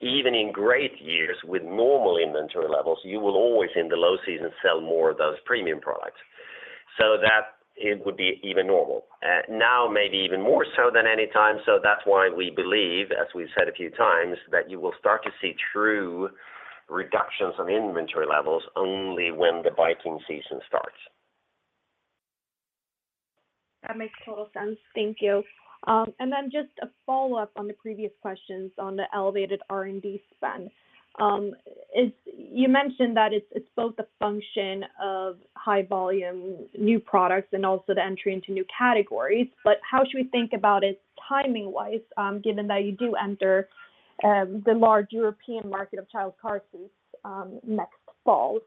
even in great years with normal inventory levels, you will always in the low season sell more of those premium products. That it would be even normal. Now, maybe even more so than any time, so that's why we believe, as we've said a few times, that you will start to see true reductions on inventory levels only when the biking season starts. That makes total sense. Thank you. Just a follow-up on the previous questions on the elevated R&D spend. You mentioned that it's both a function of high volume new products and also the entry into new categories. How should we think about it timing-wise, given that you do enter the large European market of child car seats next fall?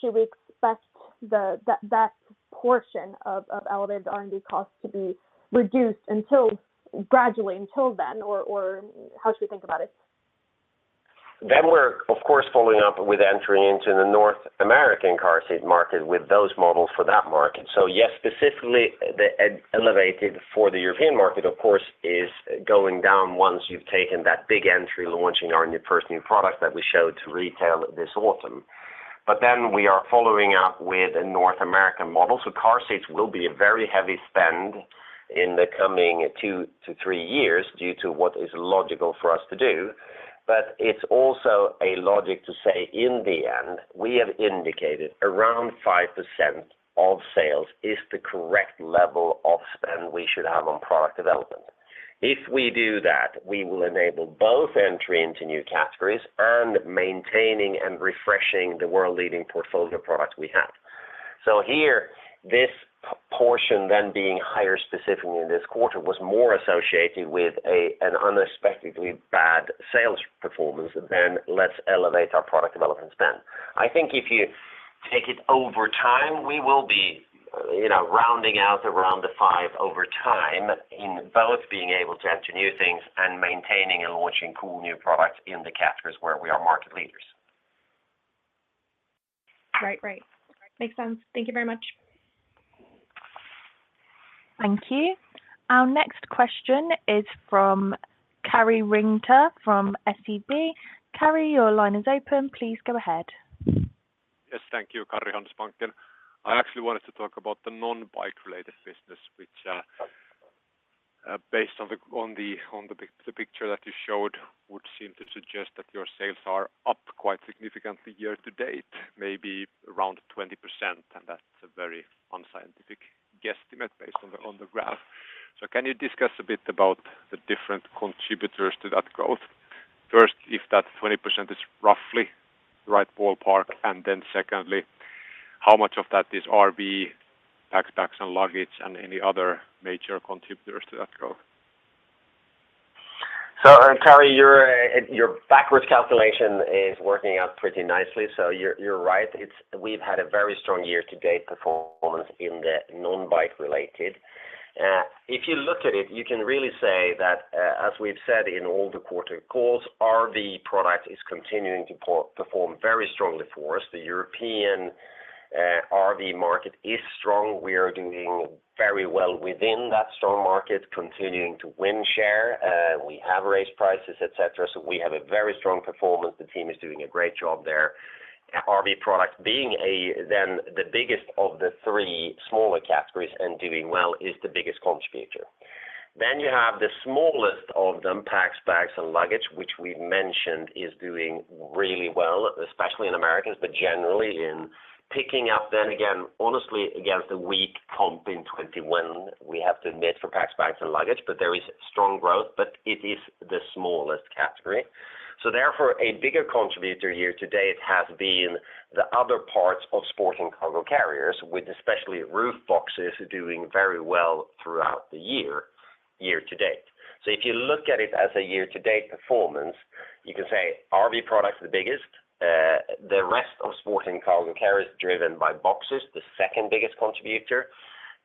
Should we expect that portion of elevated R&D costs to be reduced until gradually until then, or how should we think about it? We're of course following up with entry into the North American car seat market with those models for that market. Yes, specifically the Elevated for the European market, of course, is going down once you've taken that big entry, launching our first new product that we showed to retail this autumn. We are following up with a North American model. Car seats will be a very heavy spend in the coming two-three years due to what is logical for us to do. It's also logical to say in the end, we have indicated around 5% of sales is the correct level of spend we should have on product development. If we do that, we will enable both entry into new categories and maintaining and refreshing the world-leading portfolio products we have. Here, this portion then being higher specifically in this quarter was more associated with an unexpectedly bad sales performance than with elevating our product development spend. I think if you take it over time, we will be, you know, rounding out around the 5% over time in both being able to enter new things and maintaining and launching cool new products in the categories where we are market leaders. Right. Right. Makes sense. Thank you very much. Thank you. Our next question is from Kajsa von Geijer from SEB. Kajsa, your line is open. Please go ahead. Yes, thank you. Kajsa von Geijer, I actually wanted to talk about the non-bike related business which are based on the picture that you showed, would suggest that your sales are up quite significantly year to date, maybe around 20%. That's a very unscientific guess estimate based on the graph. So can you discuss a bit about the different contributors to that growth? First, is that 20% roughly right ballpark? And then secondly, how much of that is RV, backpacks and luggage, and any other major contributors? So Kajsa, your backward calculation is working out pretty nicely, so you're right. We've had a very strong year to date, both on the non-bike related. If you look at it, you can really say that, as we said in all the quarterly calls, RV product is continuing to perform very strong for us. The European RV market is strong. We are doing very well within that strong market, continuing to win share and we have raised prices, etc. So we have a very strong performance between us doing a great job there. The RV product being the biggest of the three small cap categories well is the biggest contributor. Then you have the smallest of the backpack bags and luggage, which we've mentioned is doing really well, especially in the Americas in general region. Picking up then again, honestly, against the weak comp in 2021, where we had the missed backpack bags and luggage, but there is a strong growth, but it is the smallest category. So therefore, a bigger contributor year to date has been the other parts of sporting car carriers, with especially roof boxes doing very well throughout the year, year to date. If you look at it as a year to date performance, you could say RV product the biggest, the rest of sporting car carriers driven by boxes, the second biggest contributor.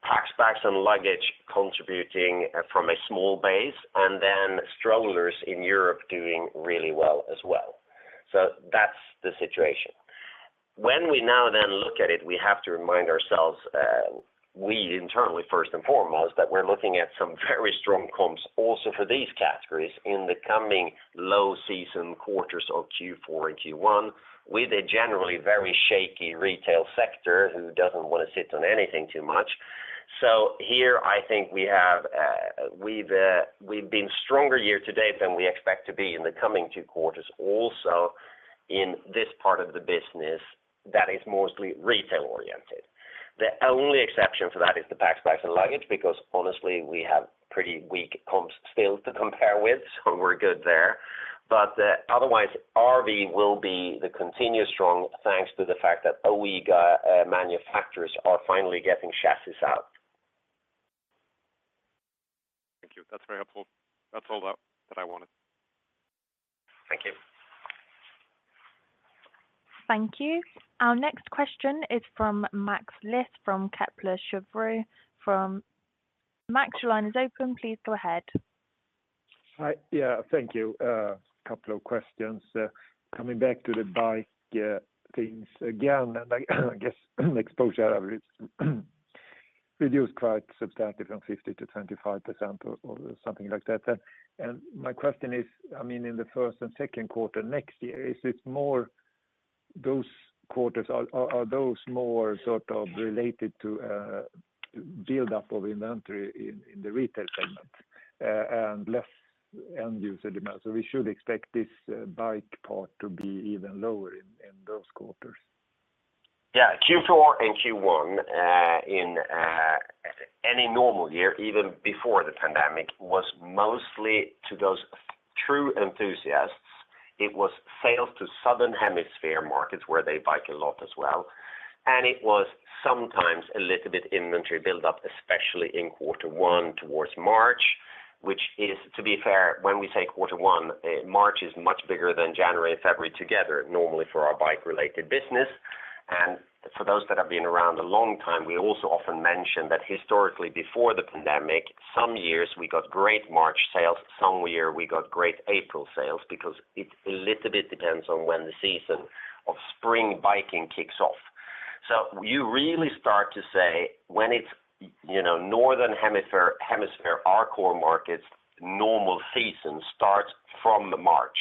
Backpack bags and luggage contribute being from a small base, and then strollers in Europe doing really well as well. So that's the situation. When we now then look at it, we have to remind ourselves, we internally, first and foremost, that we're looking at some very strong comps also for these categories in the coming low season quarters of Q4, Q1, with a generally very shaky retail sector and we don't want to sit on anything too much. So here, I think we have, we've been stronger year to date than we expect to be in the coming two quarters also in this part of the business that is mostly retail oriented. The only exception to that is the backpack luggage, because honestly, we have pretty weak comps to compare with, so we're good there. But otherwise, RV will be the continuous strong thanks to the fact that OEM manufacturers are finally getting chassis out. Thank you. That's very helpful. That's all that I wanted. Thank you. Thank you. Our next question is from Mats Liss from Kepler Cheuvreux. Mats, your line is open. Please go ahead. Hi. Yeah. Thank you. A couple of questions. Coming back to the bike things again, I guess average exposure reduced quite substantially from 50 to 25% or something like that. My question is, I mean, in the first and second quarter next year, is it more those quarters are those more sort of related to buildup of inventory in the retail segment and less end user demand? We should expect this bike part to be even lower in those quarters. Yeah. Q4 and Q1, in any normal year, even before the pandemic, was mostly to those true enthusiasts. It was sales to Southern Hemisphere markets where they bike a lot as well. It was sometimes a little bit inventory build-up, especially in quarter one towards March, which is, to be fair, when we say quarter one, March is much bigger than January and February together, normally for our bike-related business. For those that have been around a long time, we also often mention that historically, before the pandemic, some years we got great March sales, some year we got great April sales because it a little bit depends on when the season of spring biking kicks off. You really start to say when it's, you know, Northern Hemisphere, our core markets, normal season starts from the March.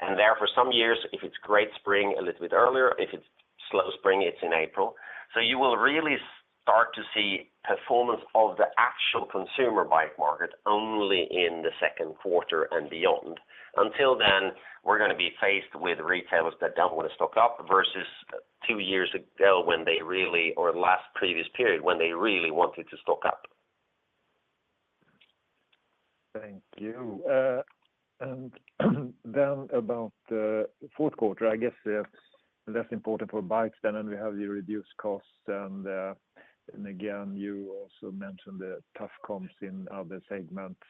Therefore, some years, if it's great spring, a little bit earlier, if it's slow spring, it's in April. You will really start to see performance of the actual consumer bike market only in the second quarter and beyond. Until then, we're gonna be faced with retailers that don't want to stock up versus two years ago or last previous period when they really wanted to stock up. Thank you. About the fourth quarter, I guess, less important for bikes than, and we have the reduced costs. Again, you also mentioned the tough comps in other segments.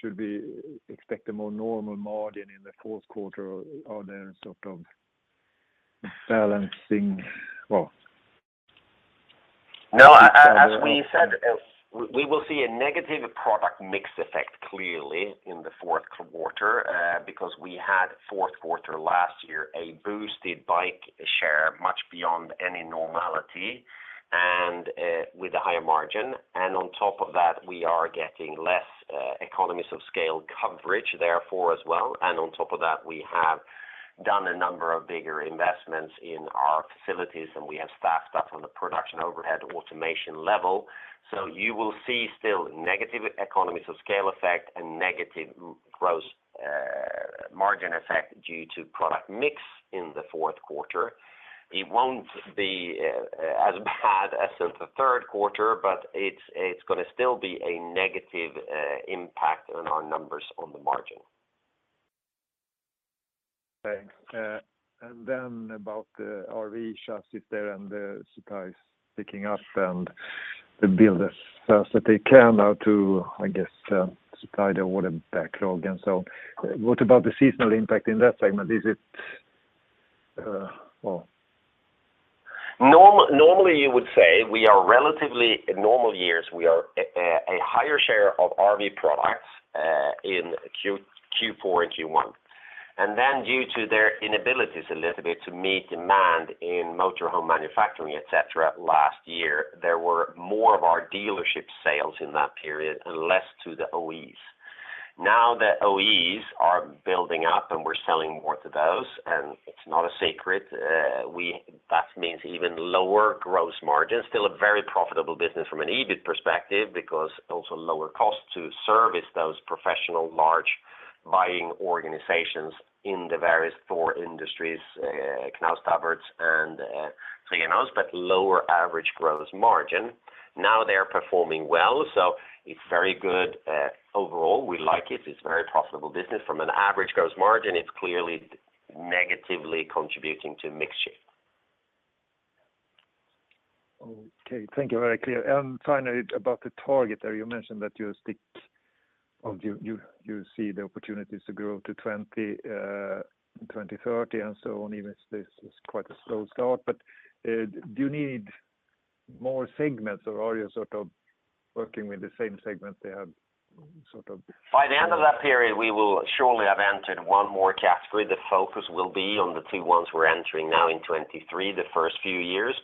Should we expect a more normal margin in the fourth quarter or are there sort of balancing well? No, as we said, we will see a negative product mix effect clearly in the fourth quarter, because we had fourth quarter last year a boosted bike share much beyond any normality and, with a higher margin. On top of that, we are getting less economies of scale coverage therefore as well. On top of that, we have done a number of bigger investments in our facilities, and we have staffed up on the production overhead automation level. You will see still negative economies of scale effect and negative gross margin effect due to product mix in the fourth quarter. It won't be as bad as in the third quarter, but it's gonna still be a negative impact on our numbers on the margin. Thanks. About the RV chassis there and the supplies picking up and the builders, as they can now, too, I guess, supply the order backlog. What about the seasonal impact in that segment? Is it, well? Normally, you would say we are relatively in normal years. We are a higher share of RV products in Q4 and Q1. Then due to their inabilities a little bit to meet demand in motor home manufacturing, et cetera, last year, there were more of our dealership sales in that period and less to the OEs. Now that OEs are building up and we're selling more to those, and it's not a secret, that means even lower gross margin, still a very profitable business from an EBIT perspective, because also lower costs to service those professional large buying organizations in the various four industries, Knaus Tabbert and Trigano, but lower average gross margin. Now they are performing well, so it's very good. Overall, we like it. It's very profitable business. From an average gross margin, it's clearly negatively contributing to mix shift. Okay. Thank you. Very clear. Finally, about the target there, you mentioned that you see the opportunities to grow to 2030 and so on, even if this is quite a slow start. Do you need more segments or are you sort of working with the same segment you have sort of? By the end of that period, we will surely have entered one more category. The focus will be on the two ones we're entering now in 2023, the first few years.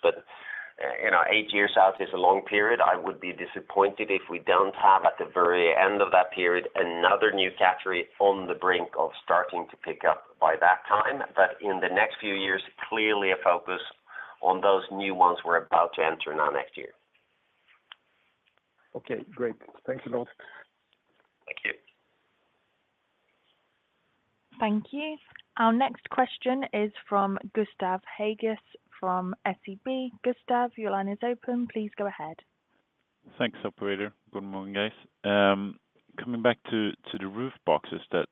You know, eight years out is a long period. I would be disappointed if we don't have, at the very end of that period, another new category on the brink of starting to pick up by that time. In the next few years, clearly a focus on those new ones we're about to enter now next year. Okay, great. Thanks a lot. Thank you. Thank you. Our next question is from Gustav Hägeus from SEB. Gustav, your line is open. Please go ahead. Thanks, operator. Good morning, guys. Coming back to the roof boxes that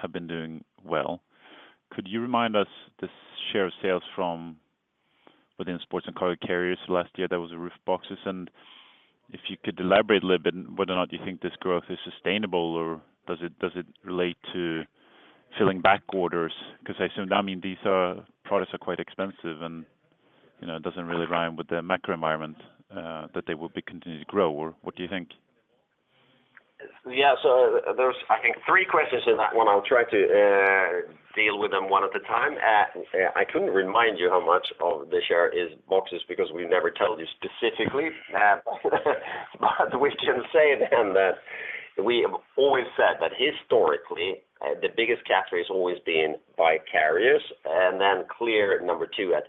have been doing well, could you remind us the share of sales from within Sport & Cargo Carriers? Last year, there was a roof boxes. If you could elaborate a little bit whether or not you think this growth is sustainable or does it relate to filling back orders? Because I assume, I mean, these products are quite expensive and, you know, it doesn't really rhyme with the macro environment that they will be continued to grow. Or what do you think? Yeah. There's, I think three questions in that one. I'll try to deal with them one at a time. I couldn't remind you how much of the share is boxes because we never tell you specifically. We can say that we have always said that historically, the biggest category has always been bike carriers. Clear number two at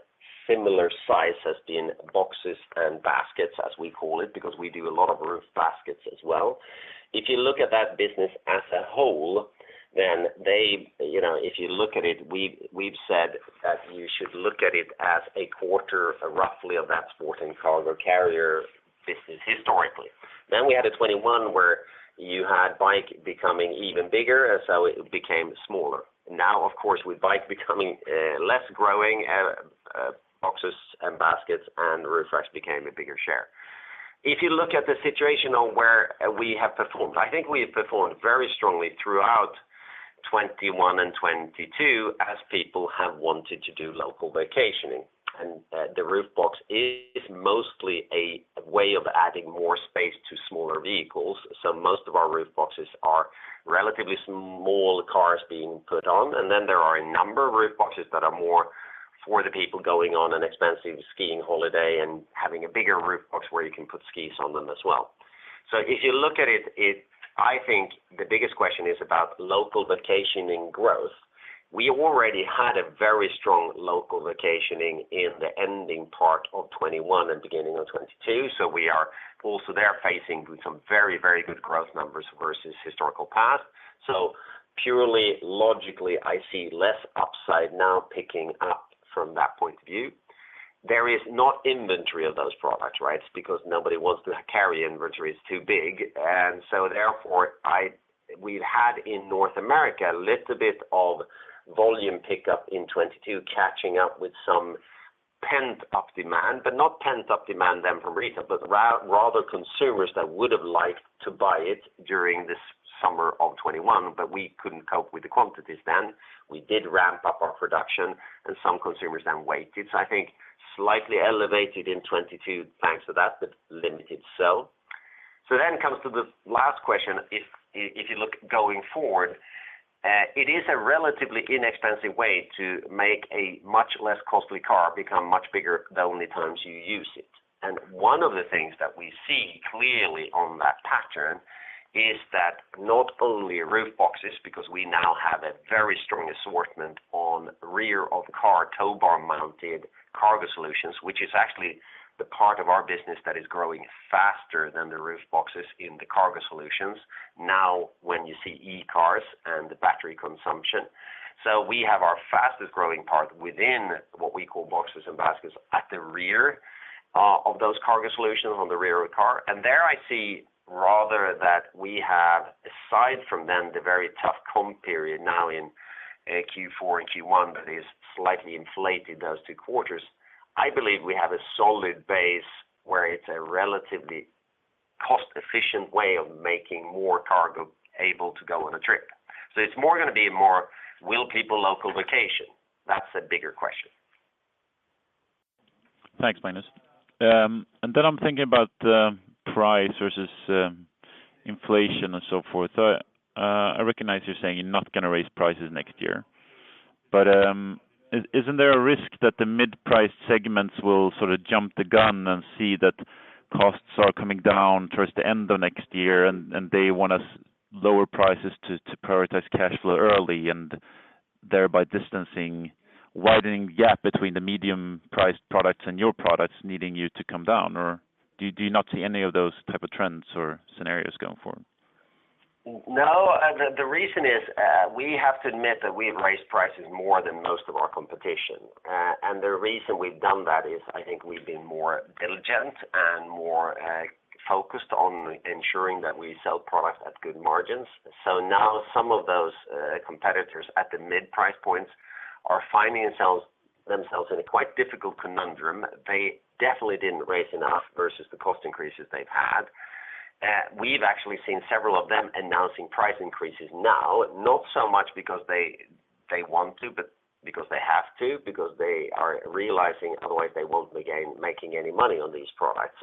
similar size has been boxes and baskets, as we call it, because we do a lot of roof baskets as well. If you look at that business as a whole, you know, if you look at it, we've said that you should look at it as a quarter roughly of that sport and cargo carrier business historically. We had a 2021 where you had bike becoming even bigger, and so it became smaller. Now, of course, with bike becoming less growing, boxes and baskets and roof racks became a bigger share. If you look at the situation on where we have performed, I think we have performed very strongly throughout 2021 and 2022 as people have wanted to do local vacationing. The roof box is mostly a way of adding more space to smaller vehicles. Most of our roof boxes are relatively small cars being put on. Then there are a number of roof boxes that are more for the people going on an expensive skiing holiday and having a bigger roof box where you can put skis on them as well. If you look at it, I think the biggest question is about local vacationing growth. We already had a very strong local vacationing in the ending part of 2021 and beginning of 2022, so we are also there facing some very, very good growth numbers versus historical past. Purely logically, I see less upside now picking up from that point of view. There is no inventory of those products, right? Because nobody wants to carry inventory, it's too big. Therefore, we've had in North America a little bit of volume pickup in 2022 catching up with some pent-up demand, but not pent-up demand then from retail, but rather consumers that would have liked to buy it during this summer of 2021, but we couldn't cope with the quantities then. We did ramp up our production and some consumers then waited. I think slightly elevated in 2022 thanks to that, but limited sell. comes to the last question, if you look going forward, it is a relatively inexpensive way to make a much less costly car become much bigger the only times you use it. One of the things that we see clearly on that pattern is that not only roof boxes, because we now have a very strong assortment on rear of car tow bar mounted cargo solutions, which is actually the part of our business that is growing faster than the roof boxes in the cargo solutions. Now, when you see e-cars and the battery consumption. We have our fastest-growing part within what we call boxes and baskets at the rear of those cargo solutions on the rear of the car. There I see rather that we have, aside from then the very tough comp period now in Q4 and Q1 that is slightly inflated those two quarters. I believe we have a solid base where it's a relatively cost-efficient way of making more cargo able to go on a trip. It's more gonna be more will people local vacation? That's a bigger question. Thanks, Magnus. I'm thinking about price versus inflation and so forth. I recognize you're saying you're not gonna raise prices next year. Isn't there a risk that the mid-price segments will sort of jump the gun and see that costs are coming down towards the end of next year, and they want to lower prices to prioritize cash flow early and thereby widening the gap between the medium-priced products and your products needing you to come down? Do you not see any of those type of trends or scenarios going forward? No. The reason is we have to admit that we have raised prices more than most of our competition. The reason we've done that is I think we've been more diligent and more focused on ensuring that we sell products at good margins. Now some of those competitors at the mid-price points are finding themselves in a quite difficult conundrum. They definitely didn't raise enough versus the cost increases they've had. We've actually seen several of them announcing price increases now, not so much because they want to, but because they have to, because they are realizing otherwise they won't be making any money on these products.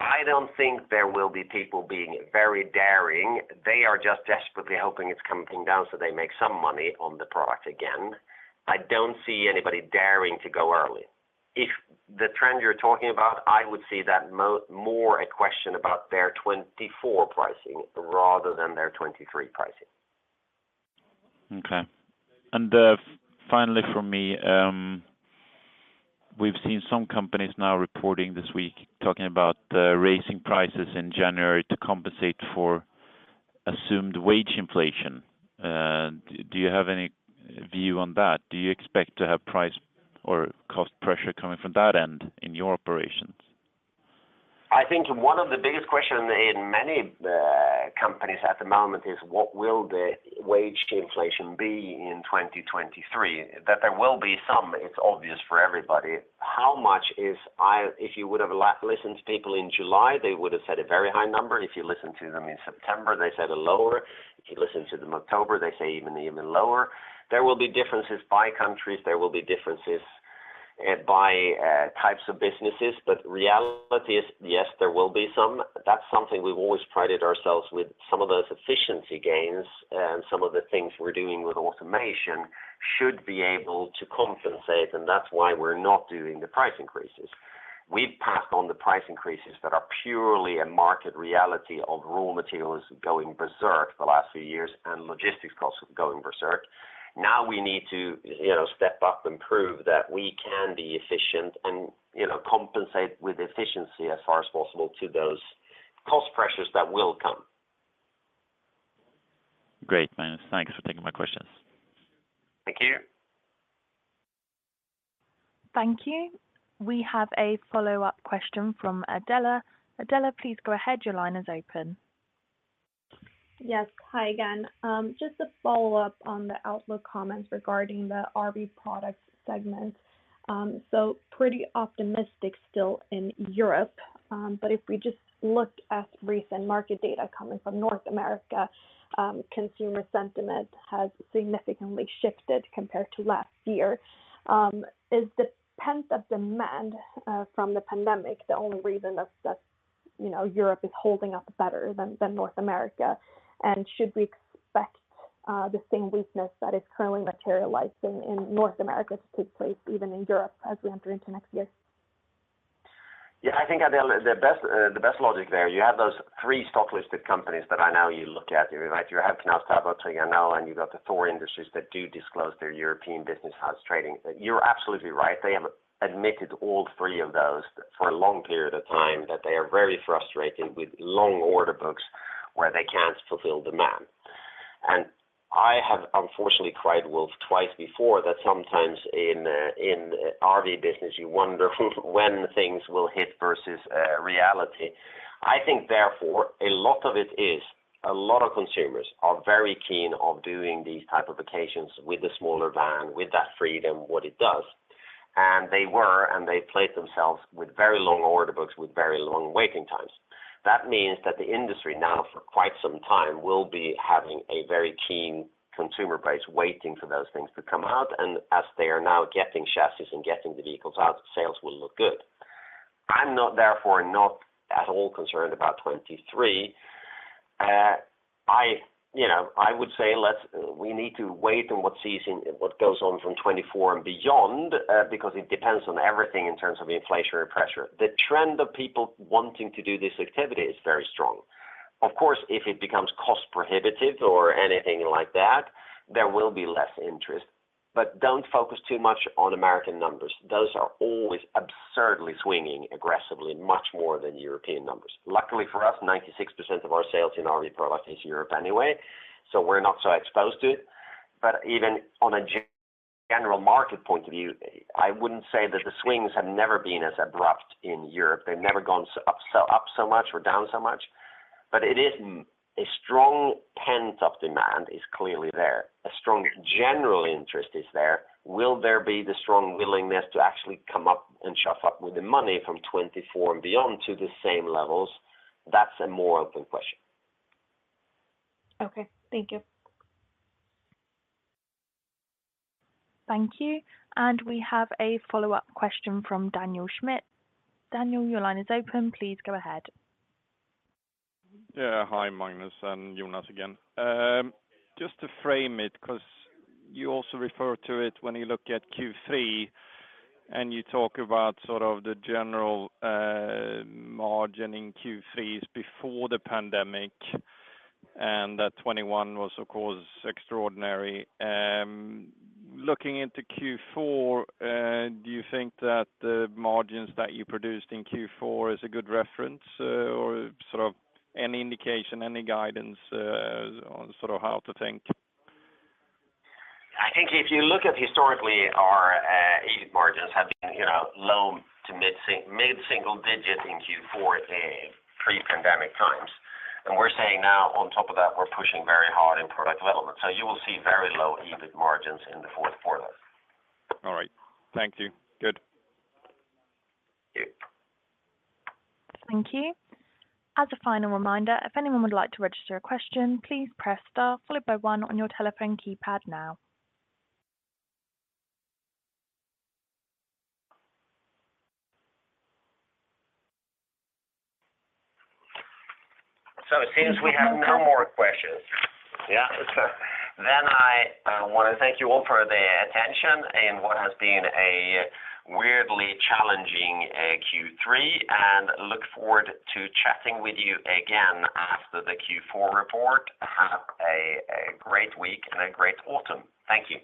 I don't think there will be people being very daring. They are just desperately hoping it's coming down so they make some money on the product again. I don't see anybody daring to go early. If the trend you're talking about, I would see that more a question about their 2024 pricing rather than their 2023 pricing. Okay. Finally from me, we've seen some companies now reporting this week talking about raising prices in January to compensate for assumed wage inflation. Do you have any view on that? Do you expect to have price or cost pressure coming from that end in your operations? I think one of the biggest question in many companies at the moment is what will the wage inflation be in 2023? That there will be some, it's obvious for everybody. How much? If you would have listened to people in July, they would have said a very high number. If you listen to them in September, they said a lower. If you listen to them in October, they say even lower. There will be differences by countries, there will be differences by types of businesses. Reality is, yes, there will be some. That's something we've always prided ourselves with. Some of those efficiency gains and some of the things we're doing with automation should be able to compensate, and that's why we're not doing the price increases. We've passed on the price increases that are purely a market reality of raw materials going berserk the last few years and logistics costs going berserk. Now we need to, you know, step up and prove that we can be efficient and, you know, compensate with efficiency as far as possible to those cost pressures that will come. Great, Magnus. Thanks for taking my questions. Thank you. Thank you. We have a follow-up question from Adela. Adela, please go ahead. Your line is open. Yes. Hi again. Just a follow-up on the outlook comments regarding the RV Products segment. Pretty optimistic still in Europe. If we just looked at recent market data coming from North America, consumer sentiment has significantly shifted compared to last year. Is the pent-up demand from the pandemic the only reason that you know Europe is holding up better than North America? And should we expect the same weakness that is currently materialized in North America to take place even in Europe as we enter into next year? I think, Adela, the best logic there, you have those three stock-listed companies that I know you look at, right? You have Knaus Tabbert, Trigano, and you've got Thor Industries that do disclose their European business, how's trading. You're absolutely right. They have admitted all three of those for a long period of time that they are very frustrated with long order books where they can't fulfill demand. I have unfortunately cried wolf twice before that sometimes in RV business you wonder when things will hit versus reality. I think therefore a lot of consumers are very keen on doing these type of occasions with a smaller van, with that freedom, what it does. They placed themselves with very long order books with very long waiting times. That means that the industry now for quite some time will be having a very keen consumer base waiting for those things to come out. As they are now getting chassis and getting the vehicles out, sales will look good. I'm not therefore at all concerned about 2023. You know, I would say we need to wait and see what goes on from 2024 and beyond, because it depends on everything in terms of inflationary pressure. The trend of people wanting to do this activity is very strong. Of course, if it becomes cost prohibitive or anything like that, there will be less interest. Don't focus too much on American numbers. Those are always absurdly swinging aggressively, much more than European numbers. Luckily for us, 96% of our sales in RV Products is Europe anyway, so we're not so exposed to it. Even on a general market point of view, I wouldn't say that the swings have never been as abrupt in Europe. They've never gone up so much or down so much. It isn't. A strong pent-up demand is clearly there. A strong general interest is there. Will there be the strong willingness to actually come up and cough up with the money from 2024 and beyond to the same levels? That's a more open question. Okay. Thank you. Thank you. We have a follow-up question from Daniel Schmidt. Daniel, your line is open. Please go ahead. Yeah. Hi, Magnus and Jonas again. Just to frame it, 'cause you also refer to it when you look at Q3 and you talk about sort of the general margin in Q3 is before the pandemic, and that 21 was of course extraordinary. Looking into Q4, do you think that the margins that you produced in Q4 is a good reference, or sort of any indication, any guidance, on sort of how to think? I think if you look at historically, our EBIT margins have been, you know, low to mid-single digit in Q4 in pre-pandemic times. We're saying now on top of that, we're pushing very hard in product development. You will see very low EBIT margins in the fourth quarter. All right. Thank you. Good. Okay. Thank you. As a final reminder, if anyone would like to register a question, please press star followed by one on your telephone keypad now. It seems we have no more questions. Yeah. I wanna thank you all for the attention in what has been a weirdly challenging Q3, and look forward to chatting with you again after the Q4 report. Have a great week and a great autumn. Thank you.